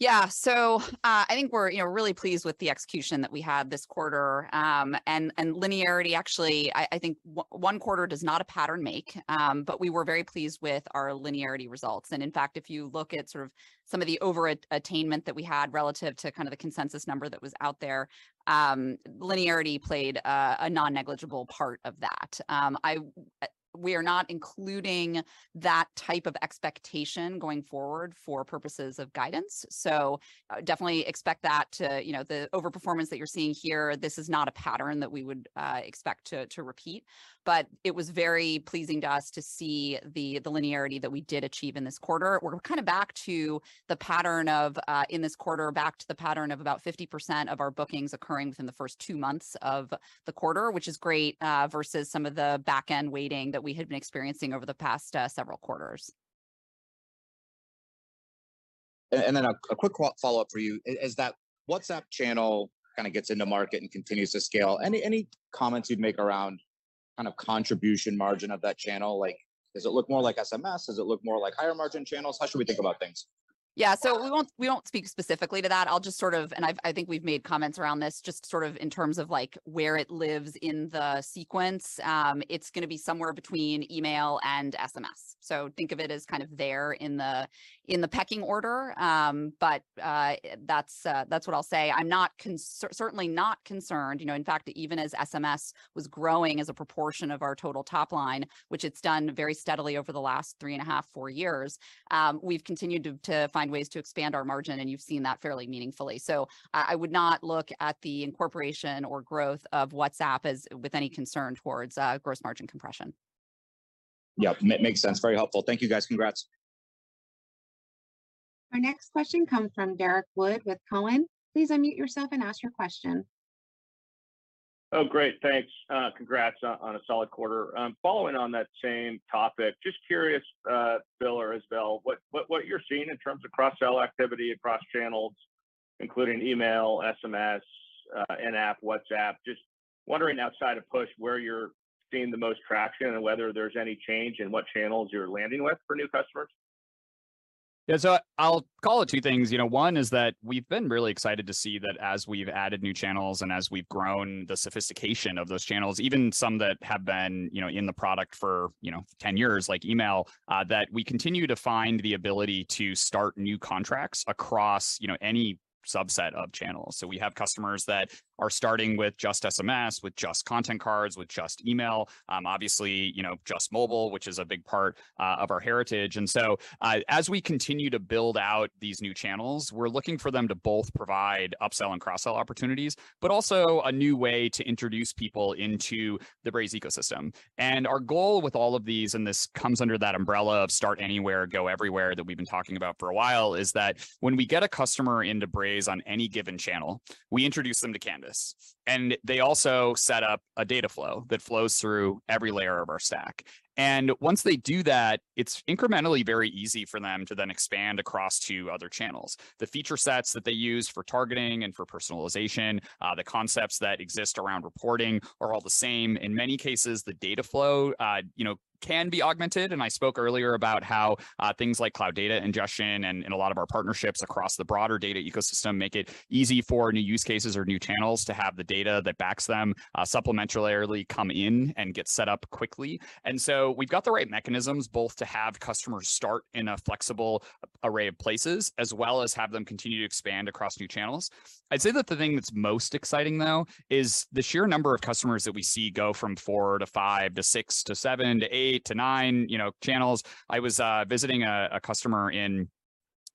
Yeah, so, I think we're, you know, really pleased with the execution that we had this quarter. And linearity, actually, I think one quarter does not a pattern make, but we were very pleased with our linearity results. And in fact, if you look at sort of some of the over-attainment that we had relative to kinda the consensus number that was out there, linearity played a non-negligible part of that. We are not including that type of expectation going forward for purposes of guidance, so, definitely expect that to, you know, the overperformance that you're seeing here, this is not a pattern that we would expect to repeat. But it was very pleasing to us to see the linearity that we did achieve in this quarter. We're kinda back to the pattern of in this quarter, back to the pattern of about 50% of our bookings occurring within the first two months of the quarter, which is great, versus some of the back-end weighting that we had been experiencing over the past several quarters. And then a quick follow-up for you. As that WhatsApp channel kinda gets into market and continues to scale, any comments you'd make around kind of contribution margin of that channel? Like, does it look more like SMS? Does it look more like higher margin channels? How should we think about things? Yeah, so we won't, we don't speak specifically to that. I'll just sort of, and I think we've made comments around this, just sort of in terms of, like, where it lives in the sequence. It's gonna be somewhere between email and SMS, so think of it as kind of there in the pecking order. But that's what I'll say. I'm not certainly not concerned, you know, in fact, even as SMS was growing as a proportion of our total top line, which it's done very steadily over the last 3.5-4 years, we've continued to find ways to expand our margin, and you've seen that fairly meaningfully. So I would not look at the incorporation or growth of WhatsApp as, with any concern towards gross margin compression. Yep, makes sense. Very helpful. Thank you, guys. Congrats! Our next question comes from Derrick Wood with TD Cowen. Please unmute yourself and ask your question. Oh, great. Thanks. Congrats on a solid quarter. Following on that same topic, just curious, Bill or Isabelle, what you're seeing in terms of cross-sell activity across channels, including email, SMS, in-app, WhatsApp. Just wondering outside of push, where you're seeing the most traction, and whether there's any change in what channels you're landing with for new customers? Yeah, so I'll call it two things. You know, one is that we've been really excited to see that as we've added new channels and as we've grown the sophistication of those channels, even some that have been, you know, in the product for, you know, 10 years, like email, that we continue to find the ability to start new contracts across, you know, any subset of channels. So we have customers that are starting with just SMS, with just Content Cards, with just email, obviously, you know, just mobile, which is a big part of our heritage. And so, as we continue to build out these new channels, we're looking for them to both provide upsell and cross-sell opportunities, but also a new way to introduce people into the Braze ecosystem. And our goal with all of these, and this comes under that umbrella of "Start anywhere, go everywhere," that we've been talking about for a while, is that when we get a customer into Braze on any given channel, we introduce them to Canvas. And they also set up a data flow that flows through every layer of our stack. And once they do that, it's incrementally very easy for them to then expand across to other channels. The feature sets that they use for targeting and for personalization, the concepts that exist around reporting are all the same. In many cases, the data flow, you know, can be augmented, and I spoke earlier about how, things like Cloud Data Ingestion and, and a lot of our partnerships across the broader data ecosystem make it easy for new use cases or new channels to have the data that backs them, supplementarily come in and get set up quickly. And so, we've got the right mechanisms, both to have customers start in a flexible array of places, as well as have them continue to expand across new channels. I'd say that the thing that's most exciting, though, is the sheer number of customers that we see go from four to five to six to seven to eight to nine, you know, channels. I was visiting a customer in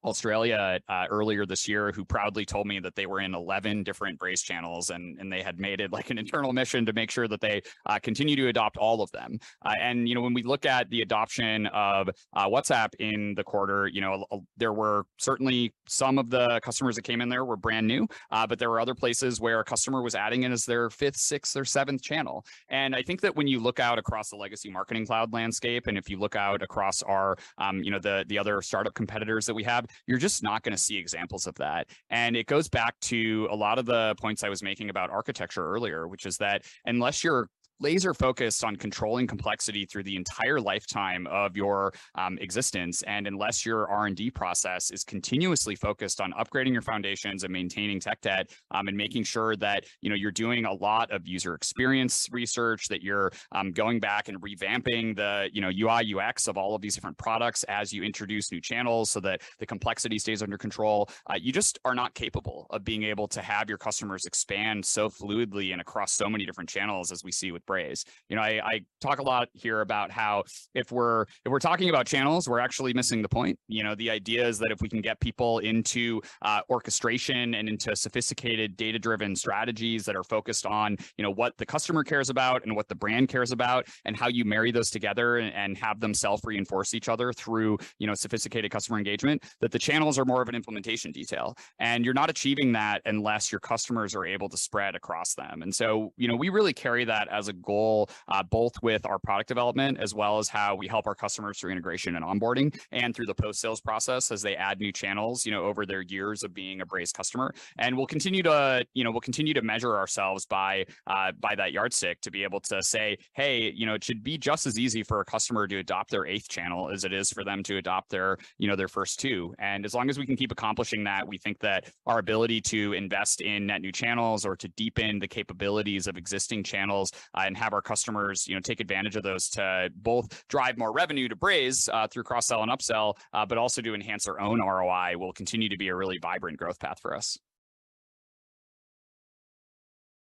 Australia earlier this year who proudly told me that they were in 11 different Braze channels, and they had made it, like, an internal mission to make sure that they continue to adopt all of them. And you know, when we look at the adoption of WhatsApp in the quarter, you know, there were certainly some of the customers that came in there were brand new, but there were other places where a customer was adding it as their fifth, sixth, or seventh channel. And I think that when you look out across the legacy marketing cloud landscape, and if you look out across our, you know, the other startup competitors that we have, you're just not gonna see examples of that. And it goes back to a lot of the points I was making about architecture earlier, which is that unless you're laser-focused on controlling complexity through the entire lifetime of your existence, and unless your R&D process is continuously focused on upgrading your foundations and maintaining tech debt, and making sure that, you know, you're doing a lot of user experience research, that you're going back and revamping the, you know, UI, UX of all of these different products as you introduce new channels so that the complexity stays under control, you just are not capable of being able to have your customers expand so fluidly and across so many different channels as we see with Braze. You know, I talk a lot here about how if we're talking about channels, we're actually missing the point. You know, the idea is that if we can get people into orchestration and into sophisticated data-driven strategies that are focused on, you know, what the customer cares about and what the brand cares about, and how you marry those together and have them self-reinforce each other through, you know, sophisticated customer engagement, that the channels are more of an implementation detail. And you're not achieving that unless your customers are able to spread across them. And so, you know, we really carry that as a goal, both with our product development, as well as how we help our customers through integration and onboarding, and through the post-sales process as they add new channels, you know, over their years of being a Braze customer. And we'll continue to, you know, we'll continue to measure ourselves by that yardstick, to be able to say, "Hey, you know, it should be just as easy for a customer to adopt their eighth channel as it is for them to adopt their, you know, their first two." And as long as we can keep accomplishing that, we think that our ability to invest in net new channels or to deepen the capabilities of existing channels and have our customers, you know, take advantage of those to both drive more revenue to Braze through cross-sell and upsell but also to enhance their own ROI will continue to be a really vibrant growth path for us.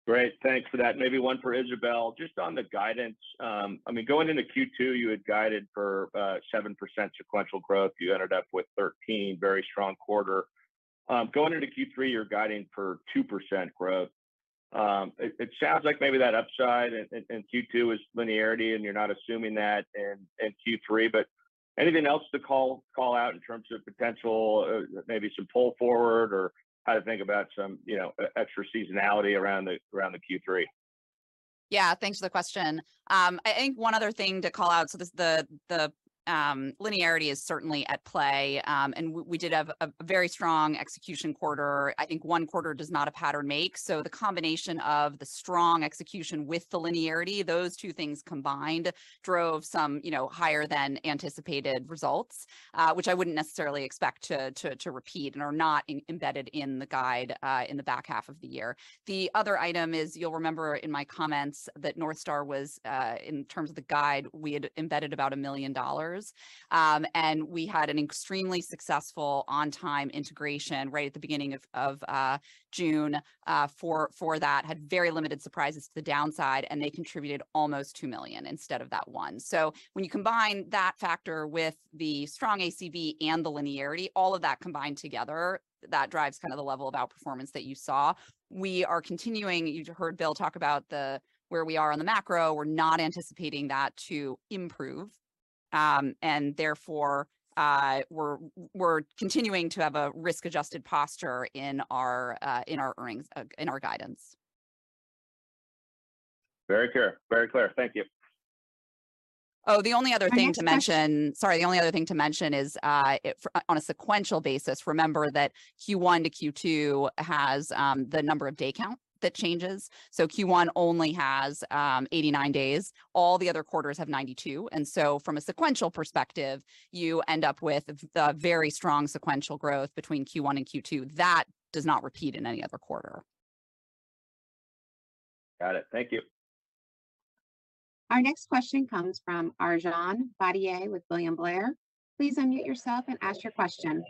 Great, thanks for that. Maybe one for Isabelle, just on the guidance. I mean, going into Q2, you had guided for 7% sequential growth. You ended up with 13, very strong quarter. Going into Q3, you're guiding for 2% growth. It sounds like maybe that upside in Q2 is linearity, and you're not assuming that in Q3, but anything else to call out in terms of potential, or maybe some pull forward, or how to think about some, you know, extra seasonality around the Q3? Yeah, thanks for the question. I think one other thing to call out, so this—the linearity is certainly at play, and we did have a very strong execution quarter. I think one quarter does not a pattern make, so the combination of the strong execution with the linearity, those two things combined, drove some, you know, higher than anticipated results, which I wouldn't necessarily expect to repeat, and are not embedded in the guide, in the back half of the year. The other item is, you'll remember in my comments, that North Star was, in terms of the guide, we had embedded about $1 million. And we had an extremely successful on-time integration right at the beginning of June, for that. Had very limited surprises to the downside, and they contributed almost $2 million instead of that $1 million. So when you combine that factor with the strong ACV and the linearity, all of that combined together, that drives kind of the level of outperformance that you saw. We are continuing, you heard Bill talk about the where we are on the macro. We're not anticipating that to improve. And therefore, we're continuing to have a risk-adjusted posture in our earnings, in our guidance. Very clear. Very clear, thank you. Oh, the only other thing to mention- Our next question- Sorry, the only other thing to mention is, on a sequential basis, remember that Q1-Q2 has the number of day count that changes. So Q1 only has 89 days, all the other quarters have 92, and so from a sequential perspective, you end up with the very strong sequential growth between Q1 and Q2. That does not repeat in any other quarter. Got it. Thank you. Our next question comes from Arjun Bhatia with William Blair. Please unmute yourself and ask your question.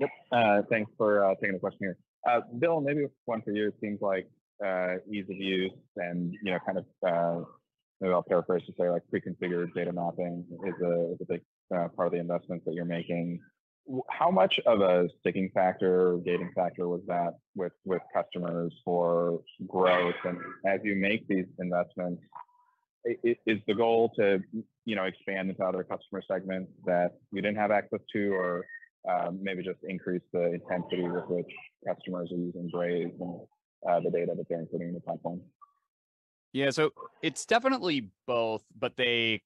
Yep, thanks for taking the question here. Bill, maybe one for you. It seems like ease of use and, you know, kind of, maybe I'll clarify first to say, like, pre-configured data mapping is the big part of the investment that you're making. How much of a sticking factor or gating factor was that with customers for growth? And as you make these investments, is the goal to, you know, expand this out of the customer segment that you didn't have access to, or maybe just increase the intensity with which customers are using Braze and the data that they're including in the platform? Yeah, so it's definitely both, but they,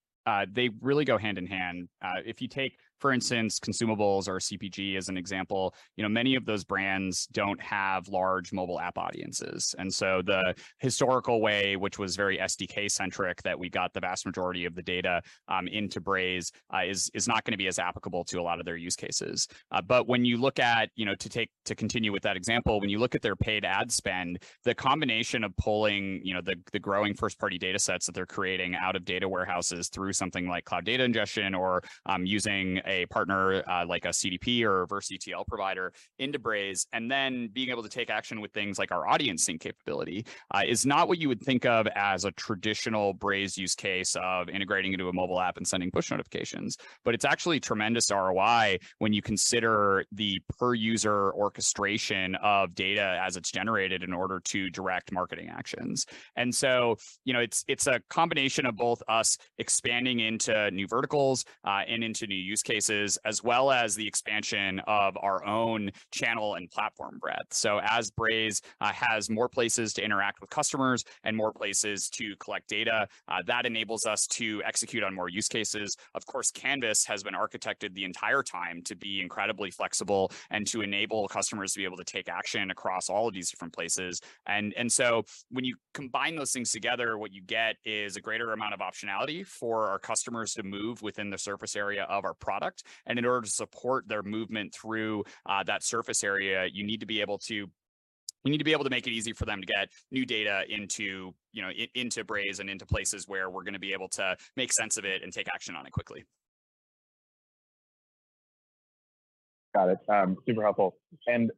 they really go hand in hand. If you take, for instance, consumables or CPG as an example, you know, many of those brands don't have large mobile app audiences. And so the historical way, which was very SDK centric, that we got the vast majority of the data into Braze, is not gonna be as applicable to a lot of their use cases. But when you look at, you know, to continue with that example, when you look at their paid ad spend, the combination of pulling, you know, the, the growing first-party data sets that they're creating out of data warehouses through something like Cloud Data Ingestion, or, using a partner, like a CDP or reverse ETL provider into Braze, and then being able to take action with things like our Audience Sync capability, is not what you would think of as a traditional Braze use case of integrating into a mobile app and sending push notifications. But it's actually tremendous ROI when you consider the per user orchestration of data as it's generated in order to direct marketing actions. And so, you know, it's, it's a combination of both us expanding into new verticals, and into new use cases, as well as the expansion of our own channel and platform breadth. So as Braze has more places to interact with customers and more places to collect data, that enables us to execute on more use cases. Of course, Canvas has been architected the entire time to be incredibly flexible and to enable customers to be able to take action across all of these different places. And so when you combine those things together, what you get is a greater amount of optionality for our customers to move within the surface area of our product. In order to support their movement through that surface area, you need to be able to, we need to be able to make it easy for them to get new data into, you know, into Braze, and into places where we're gonna be able to make sense of it and take action on it quickly. Got it. Super helpful. And,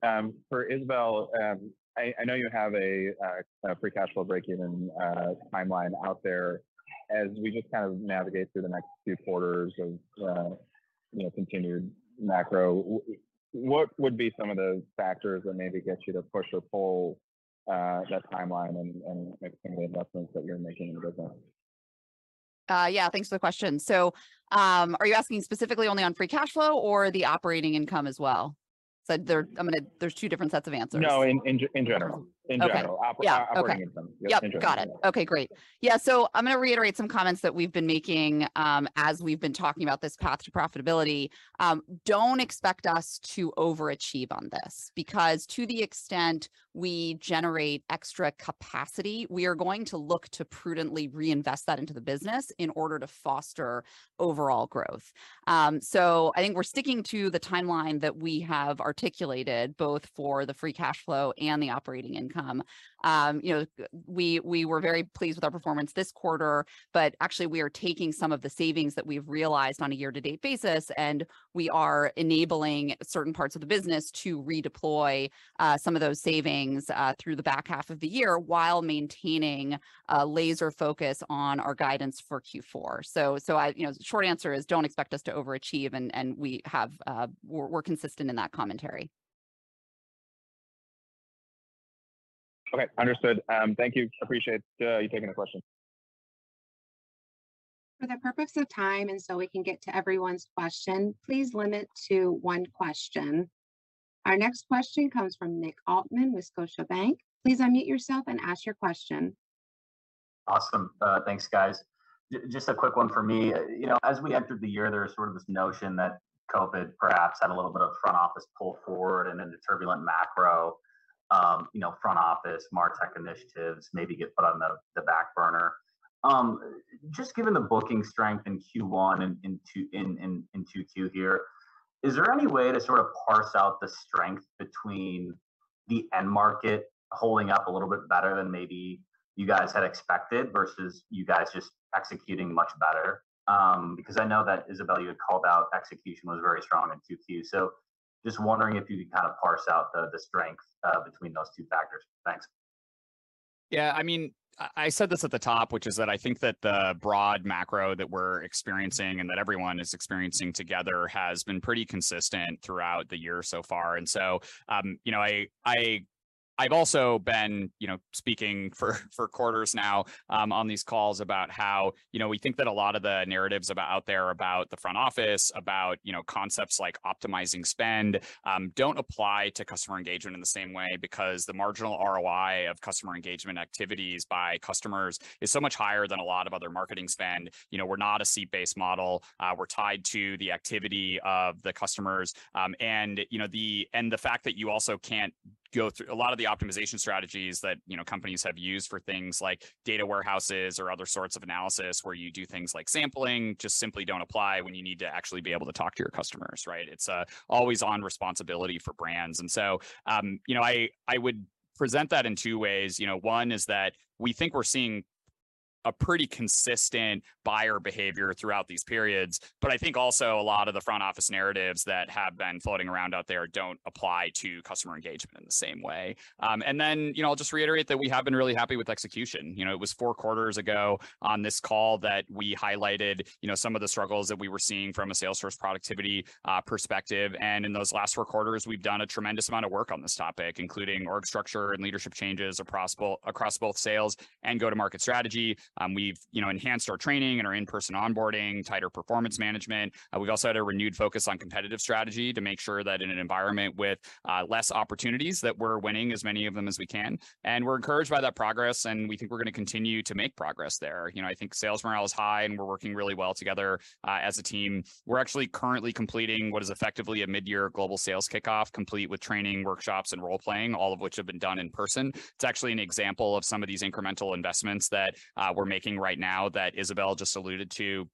for Isabelle, I know you have a free cash flow breakeven timeline out there. As we just kind of navigate through the next few quarters of, you know, continued macro, what would be some of the factors that maybe get you to push or pull that timeline and make any investments that you're making in the business? Yeah, thanks for the question. So, are you asking specifically only on free cash flow or the operating income as well? So there, I'm gonna... there's two different sets of answers. No, in general. Okay. In general. Yeah, okay. Operating income. Yep. In general. Got it. Okay, great. Yeah, so I'm gonna reiterate some comments that we've been making, as we've been talking about this path to profitability. Don't expect us to overachieve on this. Because to the extent we generate extra capacity, we are going to look to prudently reinvest that into the business in order to foster overall growth. So I think we're sticking to the timeline that we have articulated, both for the free cash flow and the operating income. You know, we, we were very pleased with our performance this quarter, but actually, we are taking some of the savings that we've realized on a year-to-date basis, and we are enabling certain parts of the business to redeploy some of those savings through the back half of the year, while maintaining a laser focus on our guidance for Q4. So, you know, short answer is: don't expect us to overachieve, and we have, we're consistent in that commentary. Okay, understood. Thank you, appreciate you taking the question. For the purpose of time, and so we can get to everyone's question, please limit to one question. Our next question comes from Nick Altmann, with Scotiabank. Please unmute yourself and ask your question. Awesome. Thanks, guys. Just a quick one for me. You know, as we entered the year, there was sort of this notion that COVID perhaps had a little bit of front office pull forward, and then the turbulent macro, you know, front office, MarTech initiatives maybe get put on the, the back burner. Just given the booking strength in Q1 and in Q2 here, is there any way to sort of parse out the strength between the end market holding up a little bit better than maybe you guys had expected, versus you guys just executing much better? Because I know that, Isabelle, you had called out execution was very strong in Q2. So just wondering if you could kind of parse out the, the strength between those two factors. Thanks. Yeah, I mean, I said this at the top, which is that I think that the broad macro that we're experiencing, and that everyone is experiencing together, has been pretty consistent throughout the year so far. And so, you know, I've also been, you know, speaking for quarters now, on these calls about how, you know, we think that a lot of the narratives out there about the front office, about, you know, concepts like optimizing spend, don't apply to customer engagement in the same way. Because the marginal ROI of customer engagement activities by customers is so much higher than a lot of other marketing spend. You know, we're not a seat-based model. We're tied to the activity of the customers. And, you know, the fact that you also can't go through... A lot of the optimization strategies that, you know, companies have used for things like data warehouses or other sorts of analysis, where you do things like sampling, just simply don't apply when you need to actually be able to talk to your customers, right? It's an always-on responsibility for brands. And so, you know, I would present that in two ways. You know, one is that we think we're seeing a pretty consistent buyer behavior throughout these periods, but I think also a lot of the front office narratives that have been floating around out there don't apply to customer engagement in the same way. And then, you know, I'll just reiterate that we have been really happy with execution. You know, it was four quarters ago on this call that we highlighted, you know, some of the struggles that we were seeing from a sales force productivity perspective. In those last four quarters, we've done a tremendous amount of work on this topic, including org structure and leadership changes across both sales and go-to-market strategy. We've, you know, enhanced our training and our in-person onboarding, tighter performance management. We've also had a renewed focus on competitive strategy to make sure that in an environment with less opportunities, that we're winning as many of them as we can. We're encouraged by that progress, and we think we're gonna continue to make progress there. You know, I think sales morale is high, and we're working really well together as a team. We're actually currently completing what is effectively a mid-year global sales kickoff, complete with training, workshops, and role-playing, all of which have been done in person. It's actually an example of some of these incremental investments that we're making right now, that Isabelle just alluded to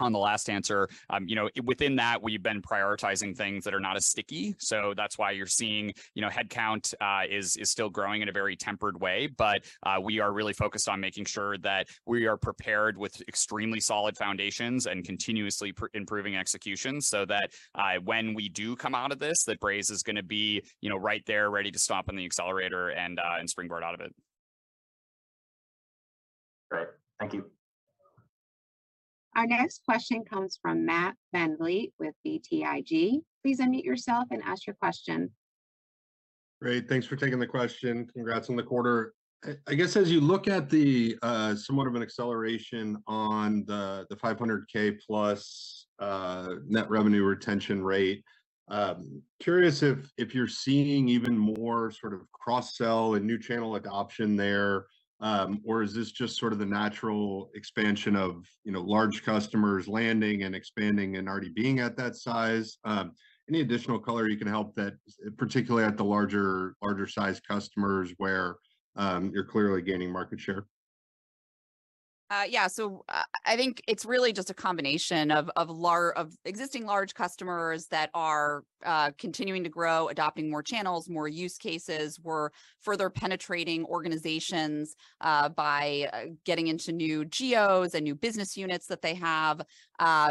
on the last answer. You know, within that, we've been prioritizing things that are not as sticky. So that's why you're seeing, you know, headcount is still growing in a very tempered way. But we are really focused on making sure that we are prepared with extremely solid foundations and continuously improving execution. So that when we do come out of this, that Braze is gonna be, you know, right there, ready to stomp on the accelerator and springboard out of it. Great. Thank you. Our next question comes from Matt VanVliet with BTIG. Please unmute yourself and ask your question. Great, thanks for taking the question. Congrats on the quarter. I guess, as you look at the somewhat of an acceleration on the 500,000+ net revenue retention rate, curious if you're seeing even more sort of cross-sell and new channel adoption there, or is this just sort of the natural expansion of, you know, large customers landing and expanding and already being at that size? Any additional color you can help that, particularly at the larger sized customers, where you're clearly gaining market share? Yeah. So, I think it's really just a combination of existing large customers that are continuing to grow, adopting more channels, more use cases. We're further penetrating organizations by getting into new geos and new business units that they have,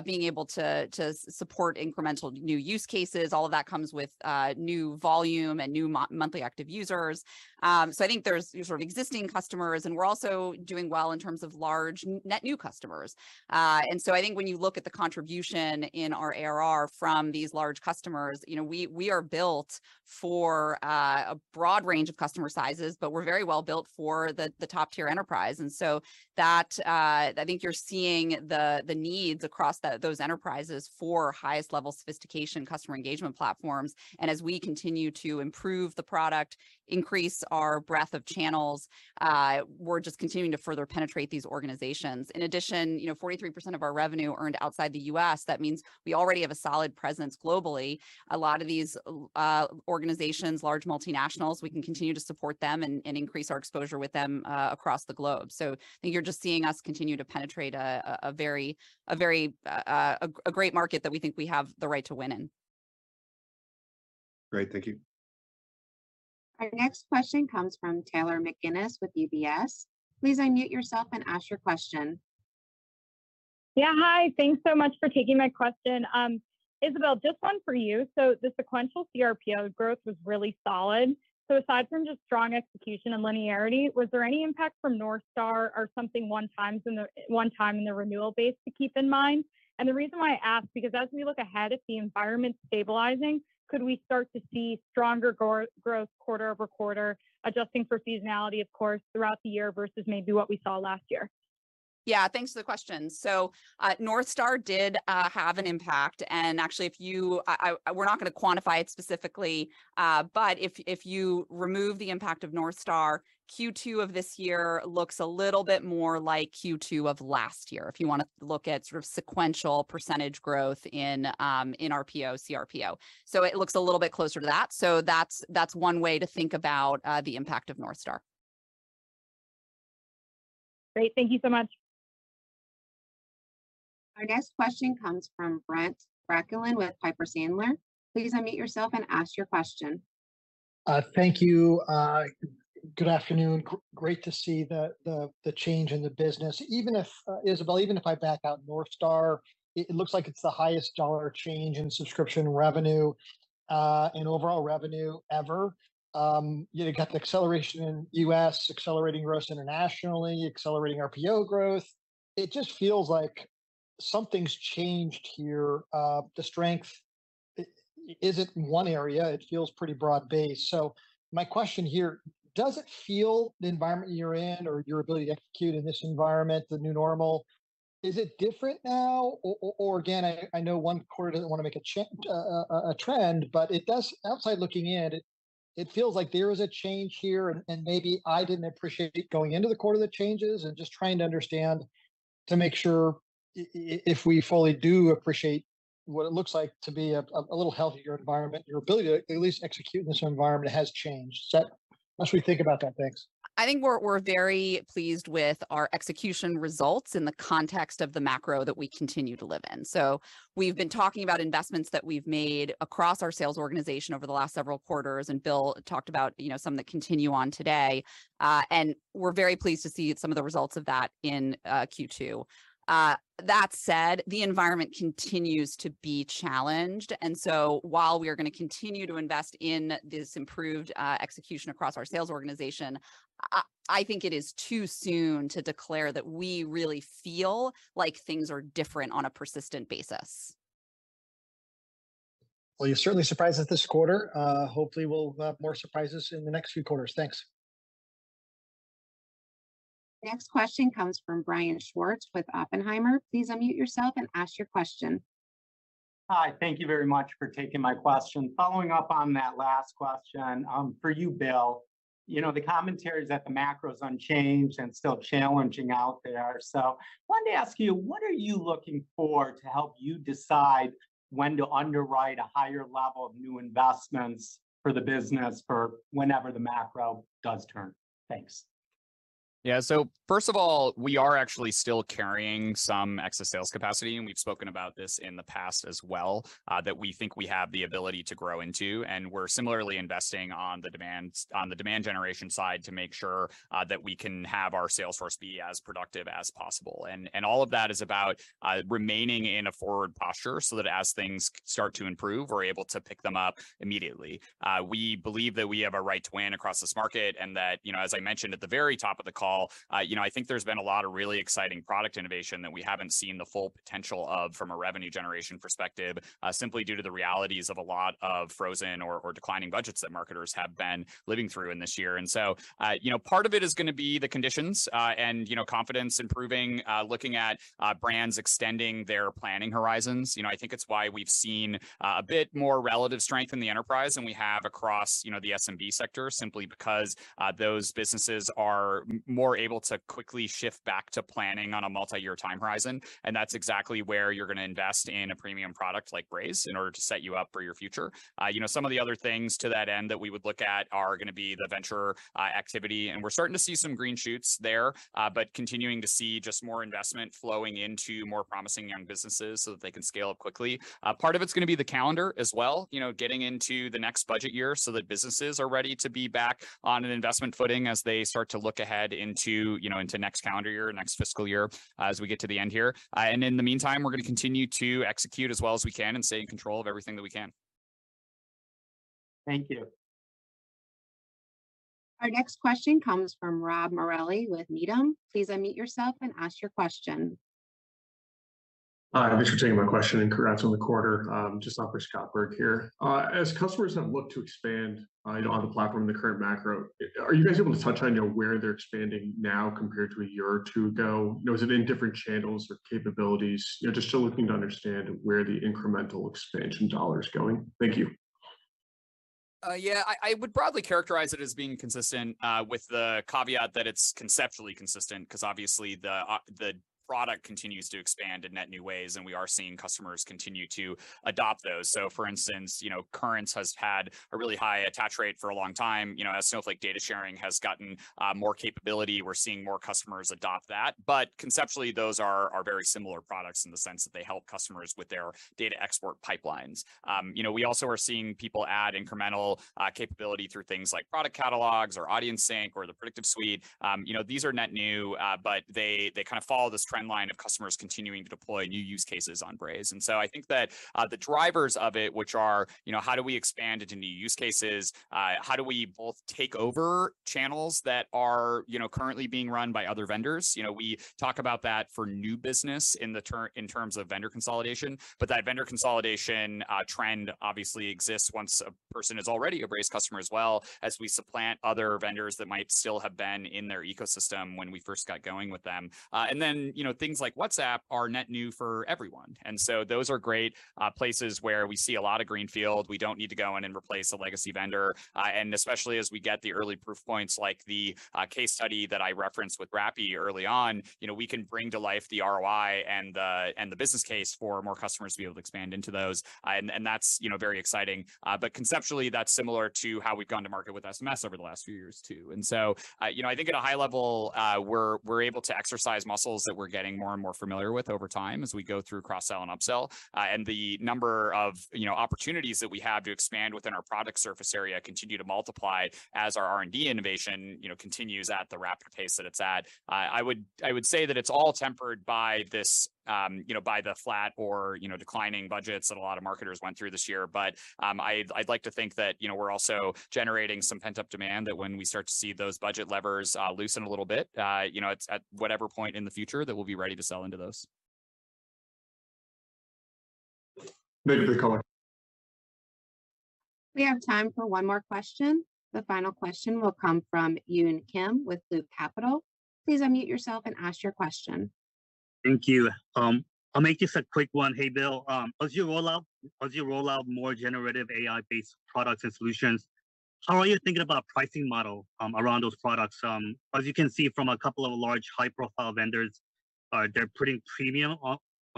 being able to support incremental new use cases. All of that comes with new volume and new monthly active users. So, I think there's sort of existing customers, and we're also doing well in terms of large net new customers. And so, I think when you look at the contribution in our ARR from these large customers, you know, we are built for a broad range of customer sizes, but we're very well built for the top-tier enterprise. And so that, I think you're seeing the needs across those enterprises for highest level sophistication, customer engagement platforms. And as we continue to improve the product, increase our breadth of channels, we're just continuing to further penetrate these organizations. In addition, you know, 43% of our revenue earned outside the U.S., that means we already have a solid presence globally. A lot of these organizations, large multinationals, we can continue to support them and increase our exposure with them across the globe. So I think you're just seeing us continue to penetrate a very great market that we think we have the right to win in. Great, thank you. Our next question comes from Taylor McGinnis with UBS. Please unmute yourself and ask your question. Yeah, hi, thanks so much for taking my question. Isabelle, just one for you. So the sequential CRPO growth was really solid. So aside from just strong execution and linearity, was there any impact from North Star or something, one time in the renewal base to keep in mind? And the reason why I ask, because as we look ahead, if the environment's stabilizing, could we start to see stronger growth quarter-over-quarter, adjusting for seasonality, of course, throughout the year, versus maybe what we saw last year? Yeah, thanks for the question. So, North Star did have an impact, and actually, we're not gonna quantify it specifically, but if you remove the impact of North Star, Q2 of this year looks a little bit more like Q2 of last year, if you wanna look at sort of sequential percentage growth in RPO, CRPO. So it looks a little bit closer to that. So that's one way to think about the impact of North Star. Great. Thank you so much! Our next question comes from Brent Bracelin with Piper Sandler. Please unmute yourself and ask your question. Thank you. Good afternoon. Great to see the change in the business. Even if, Isabelle, even if I back out North Star, it looks like it's the highest dollar change in subscription revenue and overall revenue ever. You got the acceleration in U.S., accelerating growth internationally, accelerating RPO growth. It just feels like something's changed here. The strength isn't one area, it feels pretty broad-based. So my question here, does it feel, the environment you're in or your ability to execute in this environment, the new normal, is it different now? Or again, I know one quarter doesn't wanna make a change or a trend, but it does, outside looking in, it feels like there is a change here, and maybe I didn't appreciate it going into the quarter, the changes, and just trying to understand, to make sure if we fully do appreciate what it looks like to be a little healthier environment, your ability to at least execute in this environment has changed. So what do we think about that? Thanks. I think we're very pleased with our execution results in the context of the macro that we continue to live in. So we've been talking about investments that we've made across our sales organization over the last several quarters, and Bill talked about, you know, some that continue on today. And we're very pleased to see some of the results of that in Q2. That said, the environment continues to be challenged, and so while we are gonna continue to invest in this improved execution across our sales organization, I think it is too soon to declare that we really feel like things are different on a persistent basis. Well, you're certainly surprised us this quarter. Hopefully, we'll have more surprises in the next few quarters. Thanks. Next question comes from Brian Schwartz with Oppenheimer. Please unmute yourself and ask your question. Hi, thank you very much for taking my question. Following up on that last question, for you, Bill. You know, the commentary is that the macro's unchanged and still challenging out there. So wanted to ask you, what are you looking for to help you decide when to underwrite a higher level of new investments for the business for whenever the macro does turn? Thanks. Yeah. So first of all, we are actually still carrying some excess sales capacity, and we've spoken about this in the past as well, that we think we have the ability to grow into. We're similarly investing on the demand generation side to make sure that we can have our sales force be as productive as possible. All of that is about remaining in a forward posture so that as things start to improve, we're able to pick them up immediately. We believe that we have a right to win across this market, and that, you know, as I mentioned at the very top of the call, you know, I think there's been a lot of really exciting product innovation that we haven't seen the full potential of from a revenue generation perspective, simply due to the realities of a lot of frozen or declining budgets that marketers have been living through in this year. And so, you know, part of it is gonna be the conditions, and, you know, confidence improving, looking at brands extending their planning horizons. You know, I think it's why we've seen a bit more relative strength in the enterprise than we have across, you know, the SMB sector, simply because those businesses are more able to quickly shift back to planning on a multi-year time horizon. And that's exactly where you're gonna invest in a premium product like Braze, in order to set you up for your future. You know, some of the other things to that end that we would look at are gonna be the venture activity, and we're starting to see some green shoots there. But continuing to see just more investment flowing into more promising young businesses so that they can scale up quickly. Part of it's gonna be the calendar as well, you know, getting into the next budget year so that businesses are ready to be back on an investment footing as they start to look ahead into, you know, into next calendar year or next fiscal year, as we get to the end here. And in the meantime, we're gonna continue to execute as well as we can and stay in control of everything that we can. Thank you. Our next question comes from Scott Berg with Needham & Company. Please unmute yourself and ask your question. Hi, thanks for taking my question, and congrats on the quarter. Just Scott Berg here. As customers have looked to expand on the platform in the current macro, are you guys able to touch on, you know, where they're expanding now compared to a year or two ago? You know, is it in different channels or capabilities? You know, just still looking to understand where the incremental expansion dollar is going. Thank you. Yeah, I, I would broadly characterize it as being consistent, with the caveat that it's conceptually consistent, 'cause obviously the, the product continues to expand in net new ways, and we are seeing customers continue to adopt those. So for instance, you know, Currents has had a really high attach rate for a long time. You know, as Snowflake data sharing has gotten, more capability, we're seeing more customers adopt that. But conceptually, those are, are very similar products in the sense that they help customers with their data export pipelines. You know, we also are seeing people add incremental, capability through things like product Catalogs or Audience Sync or the Predictive Suite. You know, these are net new, but they, they kind of follow this trend line of customers continuing to deploy new use cases on Braze. And so I think that the drivers of it, which are, you know, how do we expand into new use cases? How do we both take over channels that are, you know, currently being run by other vendors? You know, we talk about that for new business in terms of vendor consolidation, but that vendor consolidation trend obviously exists once a person is already a Braze customer, as well as we supplant other vendors that might still have been in their ecosystem when we first got going with them. And then, you know, things like WhatsApp are net new for everyone. And so those are great places where we see a lot of greenfield. We don't need to go in and replace a legacy vendor. And especially as we get the early proof points, like the case study that I referenced with Rappi early on, you know, we can bring to life the ROI and the business case for more customers to be able to expand into those. And that's, you know, very exciting. But conceptually, that's similar to how we've gone to market with SMS over the last few years, too. And so, you know, I think at a high level, we're able to exercise muscles that we're getting more and more familiar with over time as we go through cross-sell and upsell. And the number of, you know, opportunities that we have to expand within our product surface area continue to multiply as our R&D innovation, you know, continues at the rapid pace that it's at. I would say that it's all tempered by this, you know, by the flat or, you know, declining budgets that a lot of marketers went through this year. But, I'd like to think that, you know, we're also generating some pent-up demand, that when we start to see those budget levers, you know, at whatever point in the future, that we'll be ready to sell into those. Thank you for the color. We have time for one more question. The final question will come from Yun Kim with Loop Capital Markets. Please unmute yourself and ask your question. Thank you. I'll make this a quick one. Hey, Bill. As you roll out more generative AI-based products and solutions, how are you thinking about pricing model around those products? As you can see from a couple of large, high-profile vendors, they're putting premium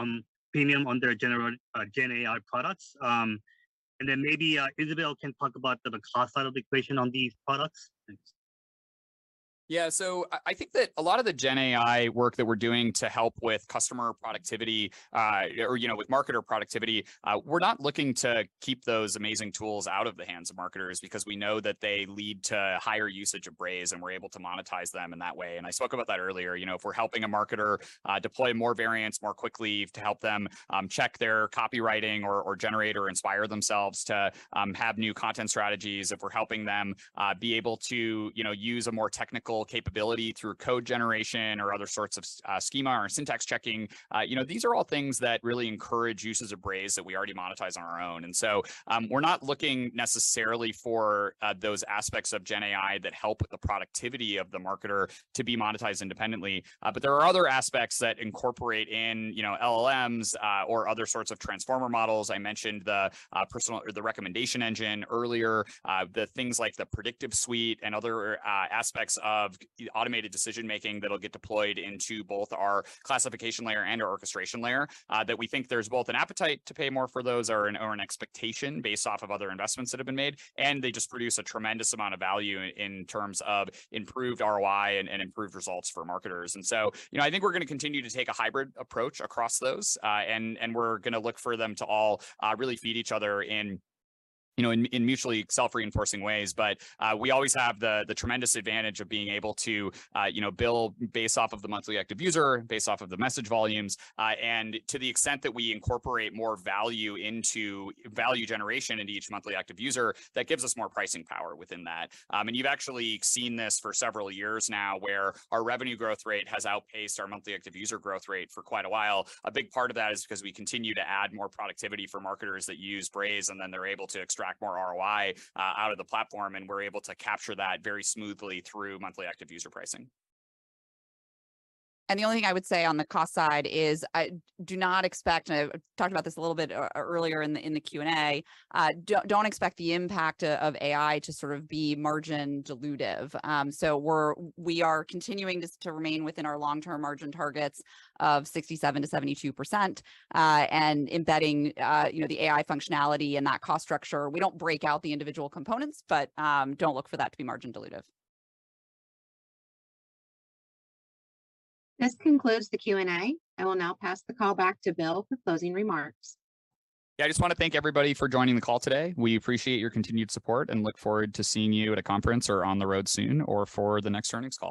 on premium on their GenAI products. And then maybe Isabelle can talk about the cost side of the equation on these products? Yeah, so I think that a lot of the GenAI work that we're doing to help with customer productivity, or, you know, with marketer productivity, we're not looking to keep those amazing tools out of the hands of marketers, because we know that they lead to higher usage of Braze, and we're able to monetize them in that way. And I spoke about that earlier. You know, if we're helping a marketer deploy more variants more quickly to help them check their copywriting or generate or inspire themselves to have new content strategies, if we're helping them be able to, you know, use a more technical capability through code generation or other sorts of schema or syntax checking, you know, these are all things that really encourage uses of Braze that we already monetize on our own. And so, we're not looking necessarily for, those aspects of GenAI that help with the productivity of the marketer to be monetized independently. But there are other aspects that incorporate in, you know, LLMs, or other sorts of transformer models. I mentioned the, personal... or the recommendation engine earlier. The things like the Predictive Suite and other, aspects of automated decision-making that'll get deployed into both our classification layer and our orchestration layer, that we think there's both an appetite to pay more for those or an, or an expectation based off of other investments that have been made, and they just produce a tremendous amount of value in, in terms of improved ROI and, and improved results for marketers. And so, you know, I think we're gonna continue to take a hybrid approach across those, and we're gonna look for them to all really feed each other in, you know, in, in mutually self-reinforcing ways. But we always have the tremendous advantage of being able to, you know, bill based off of the monthly active user, based off of the message volumes. And to the extent that we incorporate more value into value generation into each monthly active user, that gives us more pricing power within that. And you've actually seen this for several years now, where our revenue growth rate has outpaced our monthly active user growth rate for quite a while. A big part of that is 'cause we continue to add more productivity for marketers that use Braze, and then they're able to extract more ROI out of the platform, and we're able to capture that very smoothly through monthly active user pricing. The only thing I would say on the cost side is I do not expect. I talked about this a little bit earlier in the Q&A. Don't expect the impact of AI to sort of be margin dilutive. So we are continuing to remain within our long-term margin targets of 67%-72%, and embedding, you know, the AI functionality in that cost structure. We don't break out the individual components, but don't look for that to be margin dilutive. This concludes the Q&A. I will now pass the call back to Bill for closing remarks. Yeah, I just wanna thank everybody for joining the call today. We appreciate your continued support and look forward to seeing you at a conference or on the road soon, or for the next earnings call.